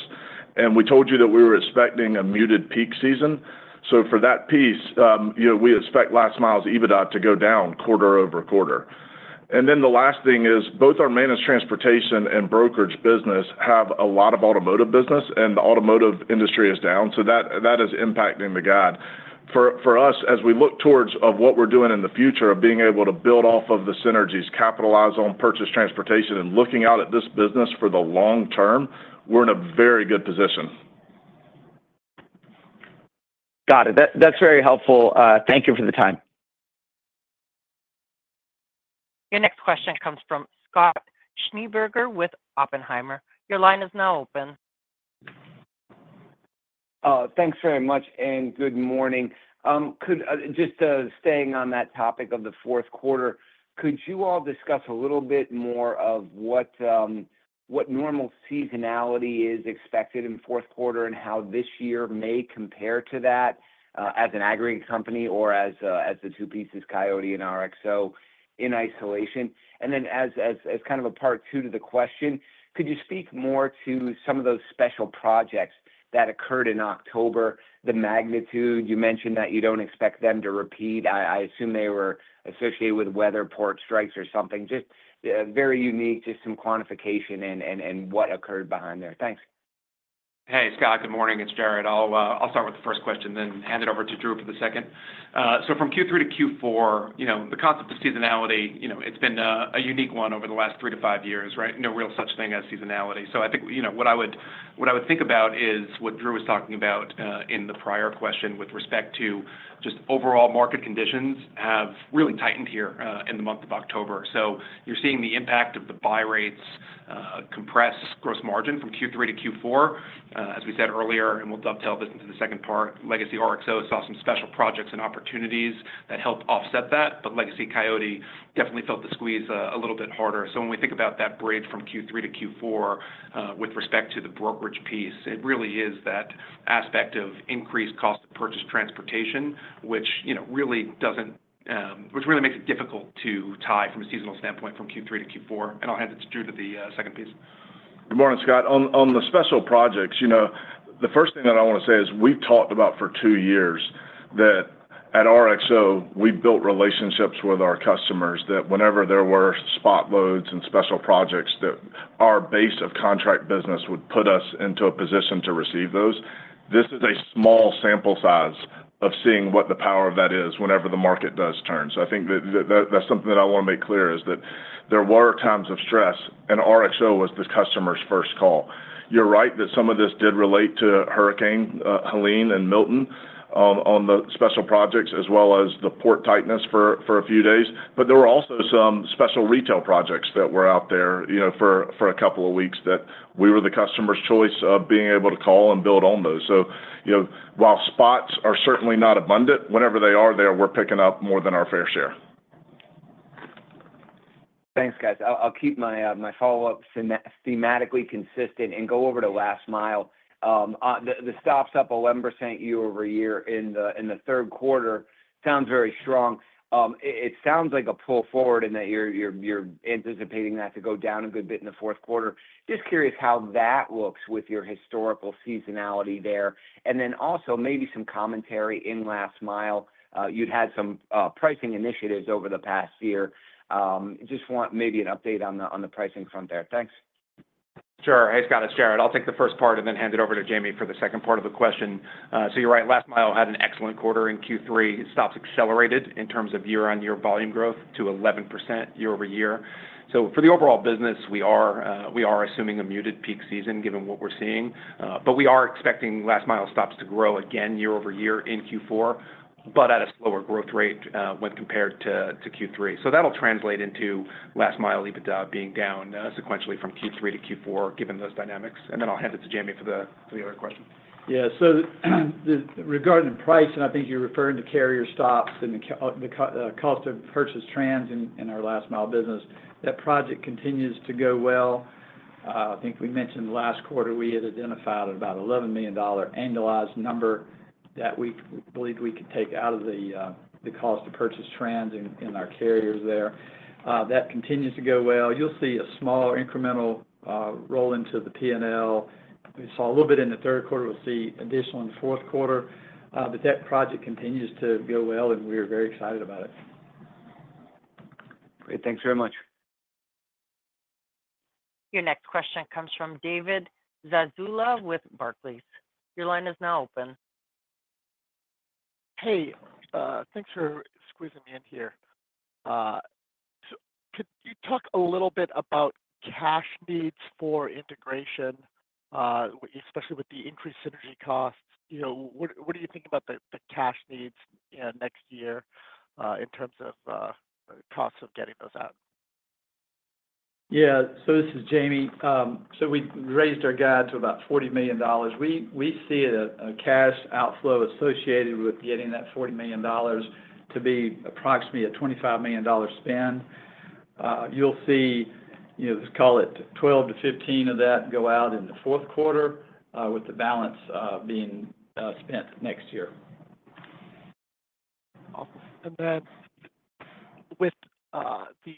and we told you that we were expecting a muted peak season, so for that piece, we expect last mile's EBITDA to go down quarter over quarter, and then the last thing is both our managed transportation and brokerage business have a lot of automotive business, and the automotive industry is down, so that is impacting the guide. For us, as we look towards what we're doing in the future of being able to build off of the synergies, capitalize on purchased transportation, and looking out at this business for the long term, we're in a very good position. Got it. That's very helpful. Thank you for the time. Your next question comes from Scott Schneeberger with Oppenheimer. Your line is now open. Thanks very much, and good morning. Just staying on that topic of the Q4, could you all discuss a little bit more of what normal seasonality is expected in Q4 and how this year may compare to that as an aggregate company or as the two pieces, Coyote and RXO in isolation? And then as kind of a part two to the question, could you speak more to some of those special projects that occurred in October, the magnitude? You mentioned that you don't expect them to repeat. I assume they were associated with weather, port strikes or something. Just very unique, just some quantification and what occurred behind there. Thanks. Hey, Scott. Good morning. It's Jared. I'll start with the first question, then hand it over to Drew for the second. So from Q3 to Q4, the concept of seasonality, it's been a unique one over the last three to five years, right? No real such thing as seasonality. So I think what I would think about is what Drew was talking about in the prior question with respect to just overall market conditions have really tightened here in the month of October. So you're seeing the impact of the buy rates compress gross margin from Q3 to Q4, as we said earlier, and we'll dovetail this into the second part. Legacy RXO saw some special projects and opportunities that helped offset that, but Legacy Coyote definitely felt the squeeze a little bit harder. So when we think about that bridge from Q3 to Q4 with respect to the brokerage piece, it really is that aspect of increased cost of purchased transportation, which really makes it difficult to tie from a seasonal standpoint from Q3 to Q4. And I'll hand it to Drew to the second piece. Good morning, Scott. On the special projects, the first thing that I want to say is we've talked about for two years that at RXO, we built relationships with our customers that whenever there were spot loads and special projects that our base of contract business would put us into a position to receive those. This is a small sample size of seeing what the power of that is whenever the market does turn. So I think that's something that I want to make clear is that there were times of stress, and RXO was the customer's first call. You're right that some of this did relate to Hurricane Helene and Milton on the special projects, as well as the port tightness for a few days. But there were also some special retail projects that were out there for a couple of weeks that we were the customer's choice of being able to call and build on those. So while spots are certainly not abundant, whenever they are, they're worth picking up more than our fair share. Thanks, guys. I'll keep my follow-up thematically consistent and go over to last mile. The stops up 11% year over year in the Q3 sounds very strong. It sounds like a pull forward in that you're anticipating that to go down a good bit in the Q4. Just curious how that looks with your historical seasonality there? And then also maybe some commentary in last mile. You'd had some pricing initiatives over the past year. Just want maybe an update on the pricing front there? Thanks. Sure. Hey, Scott. It's Jared. I'll take the first part and then hand it over to Jamie for the second part of the question. So you're right. Last mile had an excellent quarter in Q3. Stops accelerated in terms of year-on-year volume growth to 11% year over year. So for the overall business, we are assuming a muted peak season given what we're seeing. But we are expecting last mile stops to grow again year over year in Q4, but at a slower growth rate when compared to Q3. So that'll translate into last mile EBITDA being down sequentially from Q3 to Q4 given those dynamics. And then I'll hand it to Jamie for the other question. Yeah. So regarding price, and I think you're referring to carrier stops and the cost of purchased transportation in our last mile business, that project continues to go well. I think we mentioned last quarter we had identified about an $11 million annualized number that we believed we could take out of the cost of purchased transportation in our carriers there. That continues to go well. You'll see a small incremental roll into the P&L. We saw a little bit in the Q3. We'll see additional in the Q4. But that project continues to go well, and we are very excited about it. Great. Thanks very much. Your next question comes from David Zazula with Barclays. Your line is now open. Hey, thanks for squeezing me in here. Could you talk a little bit about cash needs for integration, especially with the increased synergy costs? What do you think about the cash needs next year in terms of costs of getting those out? Yeah. So this is Jamie. So we raised our guide to about $40 million. We see a cash outflow associated with getting that $40 million to be approximately a $25 million spend. You'll see, let's call it 12-15 of that go out in the Q4 with the balance being spent next year. Awesome. And then with the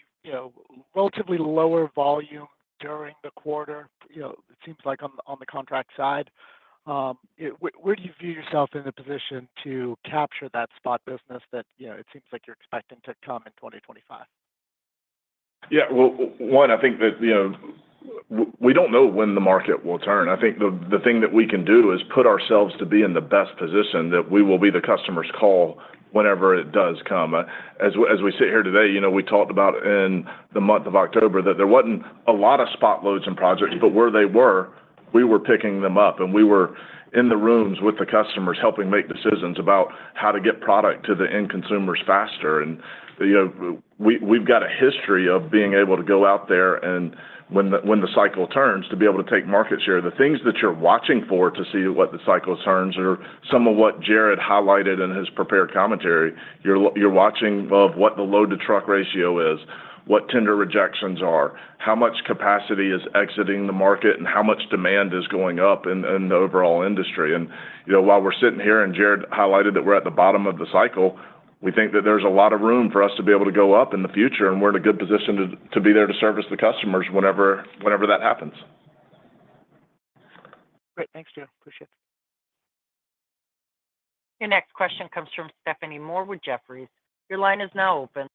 relatively lower volume during the quarter, it seems like on the contract side, where do you view yourself in the position to capture that spot business that it seems like you're expecting to come in 2025? Yeah. Well, one, I think that we don't know when the market will turn. I think the thing that we can do is put ourselves to be in the best position that we will be the customer's call whenever it does come. As we sit here today, we talked about in the month of October that there wasn't a lot of spot loads and projects, but where they were, we were picking them up. And we were in the rooms with the customers helping make decisions about how to get product to the end consumers faster. And we've got a history of being able to go out there and when the cycle turns to be able to take market share. The things that you're watching for to see what the cycle turns are some of what Jared highlighted in his prepared commentary. We're watching what the load-to-truck ratio is, what tender rejections are, how much capacity is exiting the market, and how much demand is going up in the overall industry. While we're sitting here and Jared highlighted that we're at the bottom of the cycle, we think that there's a lot of room for us to be able to go up in the future, and we're in a good position to be there to service the customers whenever that happens. Great. Thanks, Drew. Appreciate it. Your next question comes from Stephanie Moore with Jefferies. Your line is now open.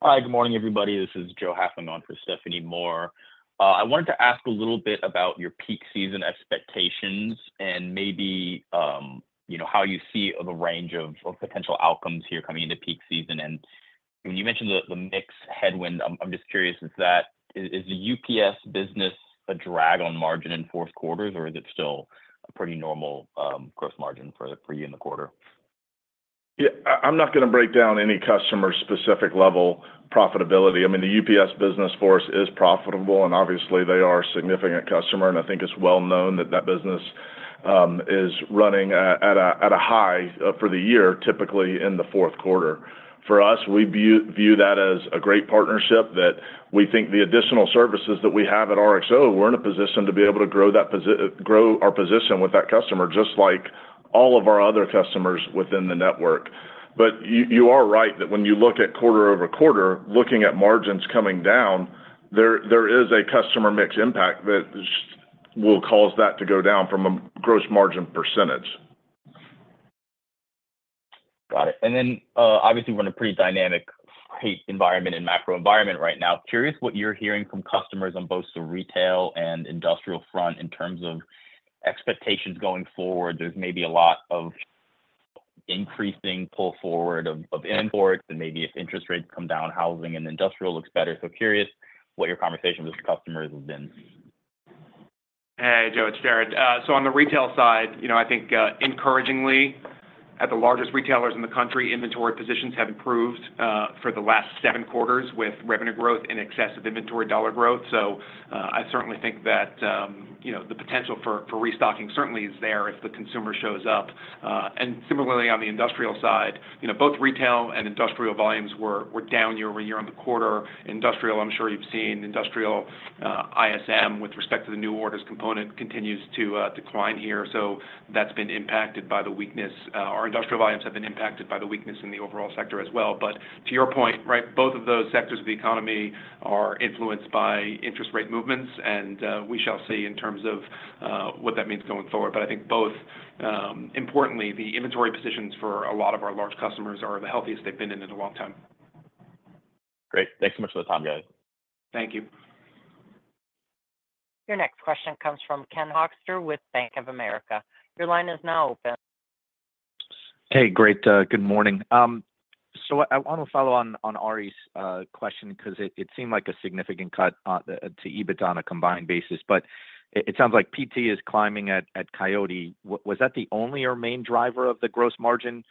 Hi. Good morning, everybody. This is Joe Hafling for Stephanie Moore. I wanted to ask a little bit about your peak season expectations and maybe how you see the range of potential outcomes here coming into peak season, and when you mentioned the mixed headwind, I'm just curious, is the UPS business a drag on margin in Q4s, or is it still a pretty normal gross margin for you in the quarter? Yeah. I'm not going to break down any customer-specific level profitability. I mean, the UPS business for us is profitable, and obviously, they are a significant customer. And I think it's well known that that business is running at a high for the year, typically in the Q4. For us, we view that as a great partnership that we think the additional services that we have at RXO, we're in a position to be able to grow our position with that customer just like all of our other customers within the network. But you are right that when you look at quarter over quarter, looking at margins coming down, there is a customer mix impact that will cause that to go down from a gross margin percentage. Got it. And then obviously, we're in a pretty dynamic environment and macro environment right now. Curious what you're hearing from customers on both the retail and industrial front in terms of expectations going forward. There's maybe a lot of increasing pull forward of imports, and maybe if interest rates come down, housing and industrial looks better. So curious what your conversation with customers has been. Hey, Joe. It's Jared. So on the retail side, I think encouragingly, at the largest retailers in the country, inventory positions have improved for the last seven quarters with revenue growth and excessive inventory dollar growth. So I certainly think that the potential for restocking certainly is there if the consumer shows up. And similarly, on the industrial side, both retail and industrial volumes were down year over year in the quarter. Industrial, I'm sure you've seen, industrial ISM with respect to the new orders component continues to decline here. So that's been impacted by the weakness. Our industrial volumes have been impacted by the weakness in the overall sector as well. But to your point, right, both of those sectors of the economy are influenced by interest rate movements, and we shall see in terms of what that means going forward. But I think both, importantly, the inventory positions for a lot of our large customers are the healthiest they've been in a long time. Great. Thanks so much for the time, guys. Thank you. Your next question comes from Ken Hoexter with Bank of America. Your line is now open. Hey, great. Good morning. So I want to follow on Ari's question because it seemed like a significant cut to EBITDA on a combined basis. But it sounds like PT is climbing at Coyote. Was that the only or main driver of the gross margin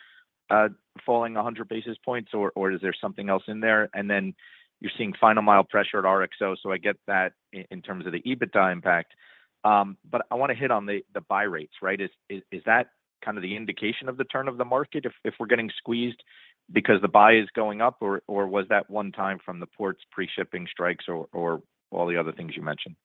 falling 100 basis points, or is there something else in there? And then you're seeing last mile pressure at RXO. So I get that in terms of the EBITDA impact. But I want to hit on the buy rates, right? Is that kind of the indication of the turn of the market if we're getting squeezed because the buy is going up, or was that one time from the port's pre-shipping strikes or all the other things you mentioned?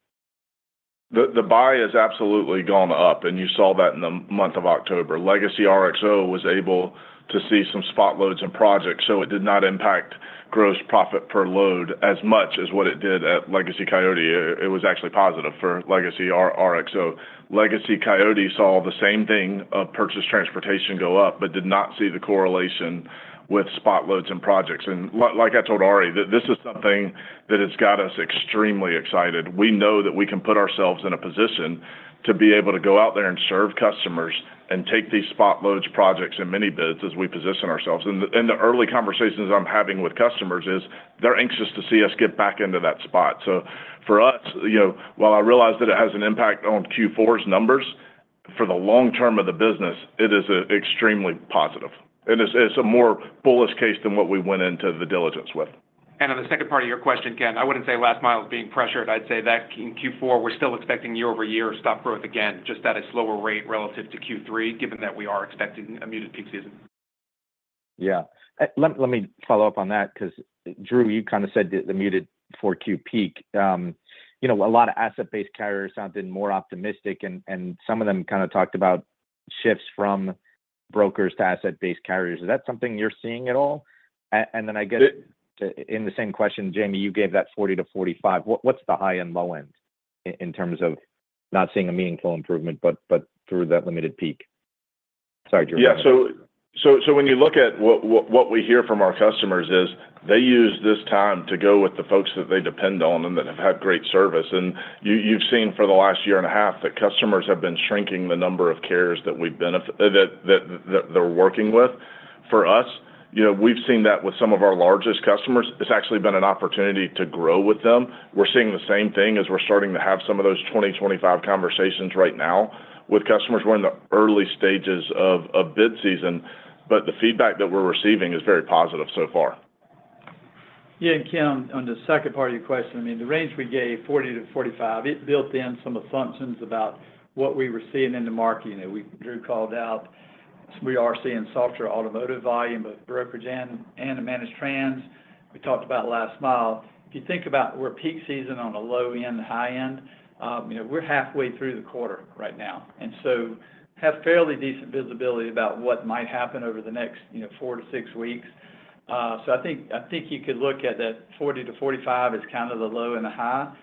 The buy has absolutely gone up, and you saw that in the month of October. Legacy RXO was able to see some spot loads and projects, so it did not impact gross profit per load as much as what it did at Legacy Coyote. It was actually positive for Legacy RXO. Legacy Coyote saw the same thing of purchased transportation go up, but did not see the correlation with spot loads and projects. And like I told Ari, this is something that has got us extremely excited. We know that we can put ourselves in a position to be able to go out there and serve customers and take these spot loads, projects, and mini-bids as we position ourselves. And the early conversations I'm having with customers is they're anxious to see us get back into that spot. So for us, while I realize that it has an impact on Q4's numbers, for the long term of the business, it is extremely positive. And it's a more bullish case than what we went into the diligence with. On the second part of your question, Ken, I wouldn't say last mile is being pressured. I'd say that in Q4, we're still expecting year over year stop growth again, just at a slower rate relative to Q3, given that we are expecting a muted peak season. Yeah. Let me follow up on that because, Drew, you kind of said the muted 4Q peak. A lot of asset-based carriers sounded more optimistic, and some of them kind of talked about shifts from brokers to asset-based carriers. Is that something you're seeing at all? And then I guess in the same question, Jamie, you gave that 40 to 45. What's the high and low end in terms of not seeing a meaningful improvement but through that limited peak? Sorry, Drew. Yeah. So when you look at what we hear from our customers is they use this time to go with the folks that they depend on and that have had great service. And you've seen for the last year and a half that customers have been shrinking the number of carriers that they're working with. For us, we've seen that with some of our largest customers. It's actually been an opportunity to grow with them. We're seeing the same thing as we're starting to have some of those 2025 conversations right now with customers. We're in the early stages of bid season, but the feedback that we're receiving is very positive so far. Yeah. And Ken, on the second part of your question, I mean, the range we gave, 40-45, it built in some assumptions about what we were seeing in the market. Drew called out, we are seeing softer automotive volume with brokerage and managed trans. We talked about last mile. If you think about we're peak season on a low end, high end, we're halfway through the quarter right now. And so have fairly decent visibility about what might happen over the next four to six weeks. So I think you could look at that 40-45 as kind of the low and the high.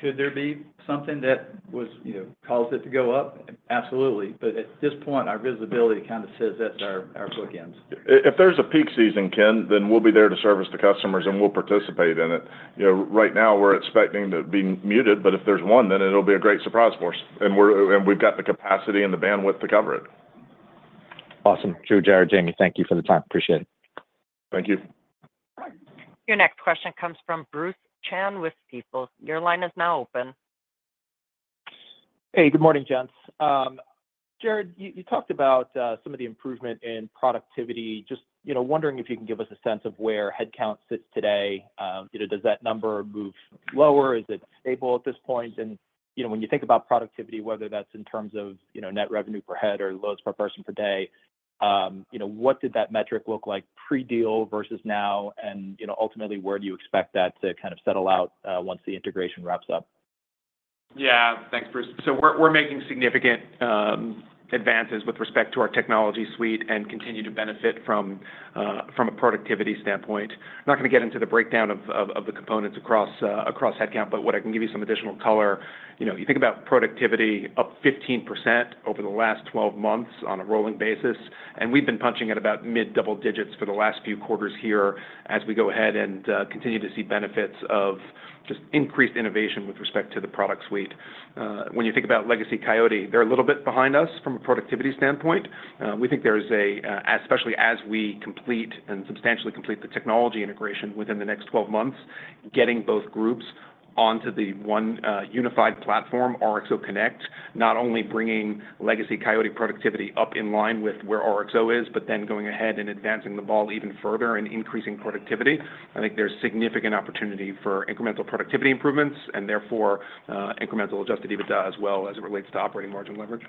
Could there be something that caused it to go up? Absolutely. But at this point, our visibility kind of says that's our bookends. If there's a peak season, Ken, then we'll be there to service the customers, and we'll participate in it. Right now, we're expecting to be muted, but if there's one, then it'll be a great surprise for us. And we've got the capacity and the bandwidth to cover it. Awesome. Drew, Jared, Jamie, thank you for the time. Appreciate it. Thank you. Your next question comes from Bruce Chan with Stifel. Your line is now open. Hey, good morning, gents. Jared, you talked about some of the improvement in productivity. Just wondering if you can give us a sense of where headcount sits today. Does that number move lower? Is it stable at this point? And when you think about productivity, whether that's in terms of net revenue per head or loads per person per day, what did that metric look like pre-deal versus now? And ultimately, where do you expect that to kind of settle out once the integration wraps up? Yeah. Thanks, Bruce. So we're making significant advances with respect to our technology suite and continue to benefit from a productivity standpoint. I'm not going to get into the breakdown of the components across headcount, but what I can give you some additional color. You think about productivity up 15% over the last 12 months on a rolling basis. And we've been punching at about mid-double digits for the last few quarters here as we go ahead and continue to see benefits of just increased innovation with respect to the product suite. When you think about Legacy Coyote, they're a little bit behind us from a productivity standpoint. We think there is, especially as we complete and substantially complete the technology integration within the next 12 months, getting both groups onto the one unified platform, RXO Connect, not only bringing Legacy Coyote productivity up in line with where RXO is, but then going ahead and advancing the ball even further and increasing productivity. I think there's significant opportunity for incremental productivity improvements and therefore incremental adjusted EBITDA as well as it relates to operating margin leverage.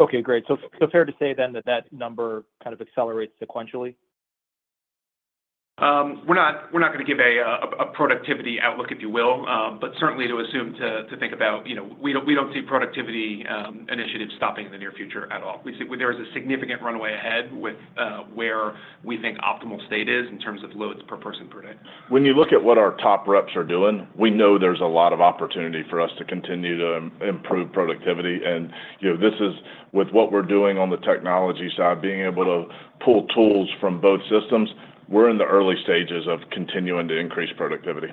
Okay. Great. So fair to say then that that number kind of accelerates sequentially? We're not going to give a productivity outlook, if you will, but certainly, to assume to think about, we don't see productivity initiatives stopping in the near future at all. There is a significant runway ahead with where we think optimal state is in terms of loads per person per day. When you look at what our top reps are doing, we know there's a lot of opportunity for us to continue to improve productivity. And this is with what we're doing on the technology side, being able to pull tools from both systems. We're in the early stages of continuing to increase productivity.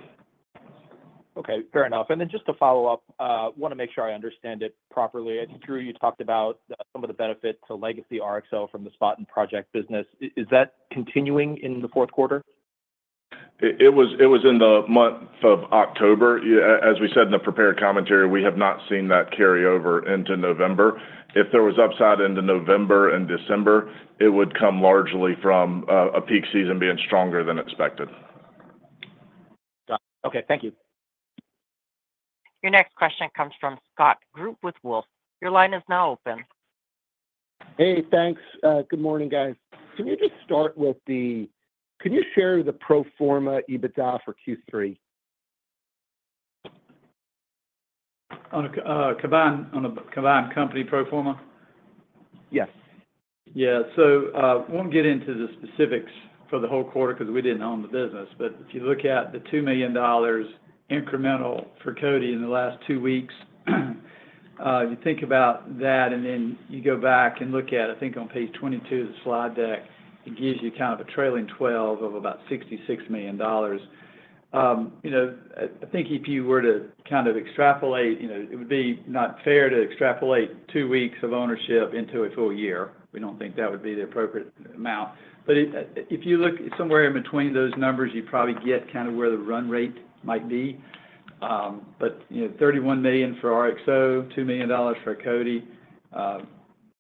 Okay. Fair enough. And then just to follow up, I want to make sure I understand it properly. I think Drew, you talked about some of the benefit to Legacy RXO from the spot and project business. Is that continuing in the Q4? It was in the month of October. As we said in the prepared commentary, we have not seen that carry over into November. If there was upside into November and December, it would come largely from a peak season being stronger than expected. Got it. Okay. Thank you. Your next question comes from Scott Group with Wolfe. Your line is now open. Hey, thanks. Good morning, guys. Can you just share the pro forma EBITDA for Q3? On a company pro forma? Yes. Yeah. So we won't get into the specifics for the whole quarter because we didn't own the business. But if you look at the $2 million incremental for Coyote in the last two weeks, you think about that, and then you go back and look at, I think on page 22 of the slide deck, it gives you kind of a trailing 12 of about $66 million. I think if you were to kind of extrapolate, it would be not fair to extrapolate two weeks of ownership into a full year. We don't think that would be the appropriate amount. But if you look somewhere in between those numbers, you probably get kind of where the run rate might be. But $31 million for RXO, $2 million for Coyote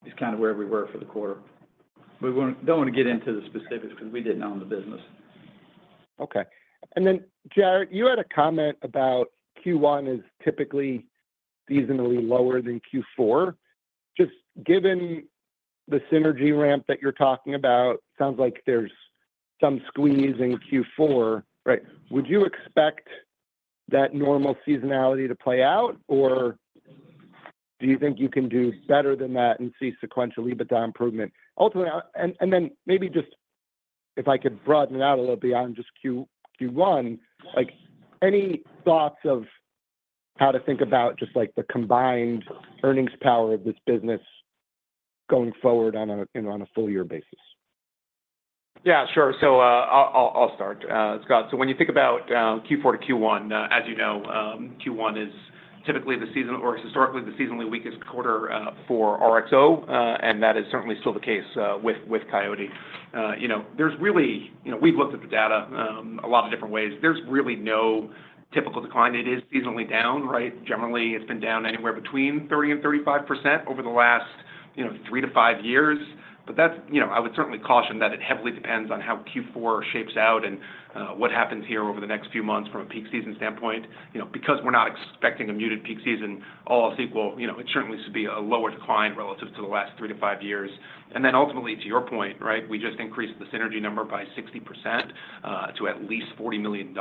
is kind of where we were for the quarter. We don't want to get into the specifics because we didn't own the business. Okay. And then, Jared, you had a comment about Q1 is typically seasonally lower than Q4. Just given the synergy ramp that you're talking about, it sounds like there's some squeeze in Q4, right? Would you expect that normal seasonality to play out, or do you think you can do better than that and see sequential EBITDA improvement? And then maybe just if I could broaden it out a little beyond just Q1, any thoughts of how to think about just the combined earnings power of this business going forward on a full year basis? Yeah, sure. So I'll start, Scott. So when you think about Q4 to Q1, as you know, Q1 is typically the season or historically the seasonally weakest quarter for RXO, and that is certainly still the case with Coyote. We've really looked at the data a lot of different ways. There's really no typical decline. It is seasonally down, right? Generally, it's been down anywhere between 30%-35% over the last three to five years. But I would certainly caution that it heavily depends on how Q4 shapes out and what happens here over the next few months from a peak season standpoint. Because we're not expecting a muted peak season, all else equal, it certainly should be a lower decline relative to the last three to five years. And then ultimately, to your point, right, we just increased the synergy number by 60% to at least $40 million.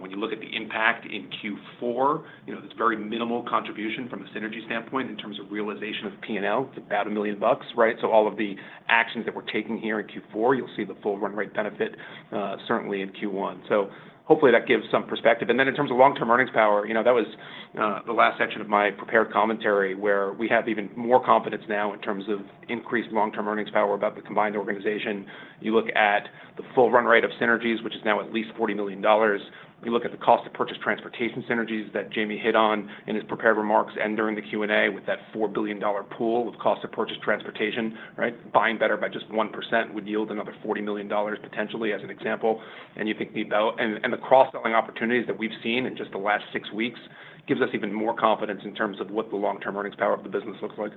When you look at the impact in Q4, it's very minimal contribution from a synergy standpoint in terms of realization of P&L, about $1 million, right? So all of the actions that we're taking here in Q4, you'll see the full run rate benefit certainly in Q1. So hopefully that gives some perspective. And then in terms of long-term earnings power, that was the last section of my prepared commentary where we have even more confidence now in terms of increased long-term earnings power about the combined organization. You look at the full run rate of synergies, which is now at least $40 million. You look at the cost of purchased transportation synergies that Jamie hit on in his prepared remarks and during the Q&A with that $4 billion pool of cost of purchased transportation, right? Buying better by just 1% would yield another $40 million potentially as an example. And you think the cross-selling opportunities that we've seen in just the last six weeks gives us even more confidence in terms of what the long-term earnings power of the business looks like.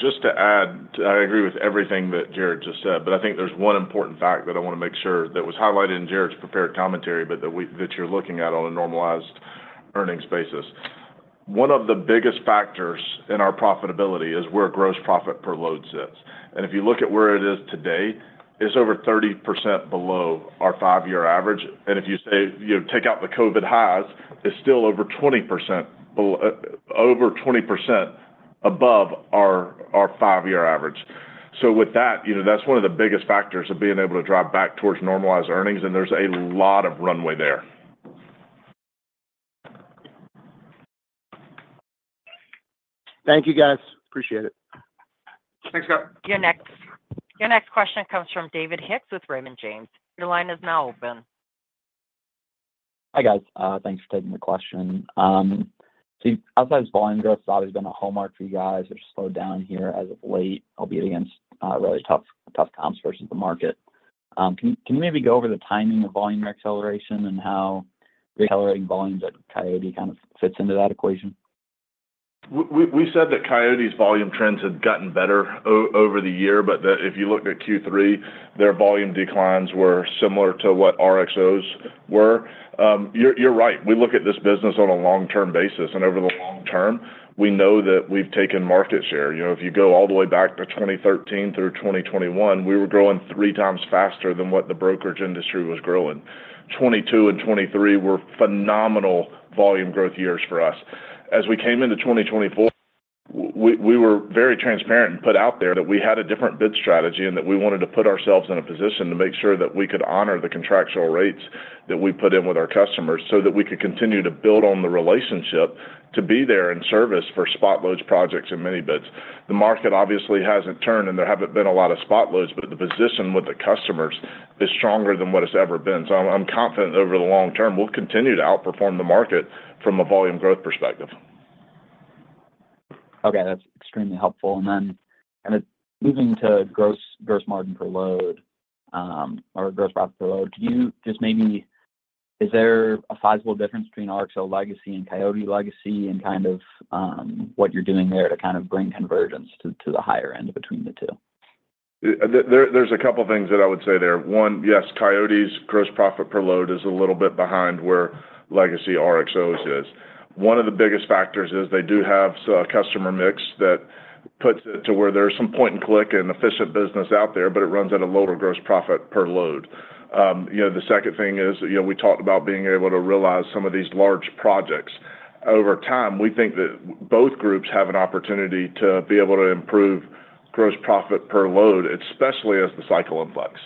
Just to add, I agree with everything that Jared just said, but I think there's one important fact that I want to make sure that was highlighted in Jared's prepared commentary, but that you're looking at on a normalized earnings basis. One of the biggest factors in our profitability is where gross profit per load sits. And if you look at where it is today, it's over 30% below our five-year average. And if you take out the COVID highs, it's still over 20% above our five-year average. So with that, that's one of the biggest factors of being able to drive back towards normalized earnings, and there's a lot of runway there. Thank you, guys. Appreciate it. Thanks, Scott. Your next question comes from David Hicks with Raymond James. Your line is now open. Hi guys. Thanks for taking the question, so outside of volume growth, it's obviously been a hallmark for you guys. It's slowed down here as of late, albeit against really tough comps versus the market. Can you maybe go over the timing of volume acceleration and how the accelerating volumes at Coyote kind of fits into that equation? We said that Coyote's volume trends had gotten better over the year, but that if you looked at Q3, their volume declines were similar to what RXO's were. You're right. We look at this business on a long-term basis, and over the long term, we know that we've taken market share. If you go all the way back to 2013 through 2021, we were growing three times faster than what the brokerage industry was growing. 2022 and 2023 were phenomenal volume growth years for us. As we came into 2024, we were very transparent and put out there that we had a different bid strategy and that we wanted to put ourselves in a position to make sure that we could honor the contractual rates that we put in with our customers so that we could continue to build on the relationship to be there in service for spot loads projects and mini bids. The market obviously hasn't turned and there haven't been a lot of spot loads, but the position with the customers is stronger than what it's ever been. So I'm confident over the long term, we'll continue to outperform the market from a volume growth perspective. Okay. That's extremely helpful. And then kind of moving to gross margin per load or gross profit per load, could you just maybe is there a sizable difference between RXO Legacy and Coyote Legacy and kind of what you're doing there to kind of bring convergence to the higher end between the two? There's a couple of things that I would say there. One, yes, Coyote's gross profit per load is a little bit behind where Legacy RXO's is. One of the biggest factors is they do have a customer mix that puts it to where there's some point and click and efficient business out there, but it runs at a lower gross profit per load. The second thing is we talked about being able to realize some of these large projects. Over time, we think that both groups have an opportunity to be able to improve gross profit per load, especially as the cycle inflects.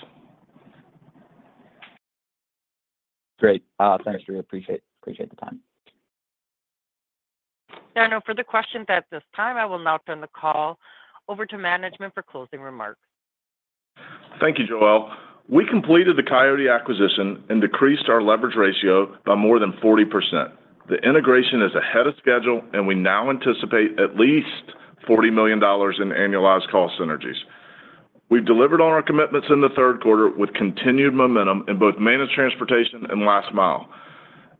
Great. Thanks, Drew. Appreciate the time. There are no further questions at this time. I will now turn the call over to management for closing remarks. Thank you, Joelle. We completed the Coyote acquisition and decreased our leverage ratio by more than 40%. The integration is ahead of schedule, and we now anticipate at least $40 million in annualized cost synergies. We've delivered on our commitments in the Q3 with continued momentum in both managed transportation and last mile.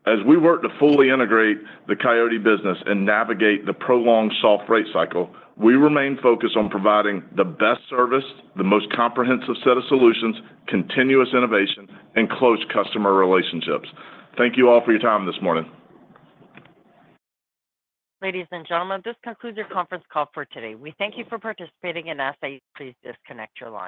As we work to fully integrate the Coyote business and navigate the prolonged soft rate cycle, we remain focused on providing the best service, the most comprehensive set of solutions, continuous innovation, and close customer relationships. Thank you all for your time this morning. Ladies and gentlemen, this concludes your conference call for today. We thank you for participating. As soon as possible, disconnect your line.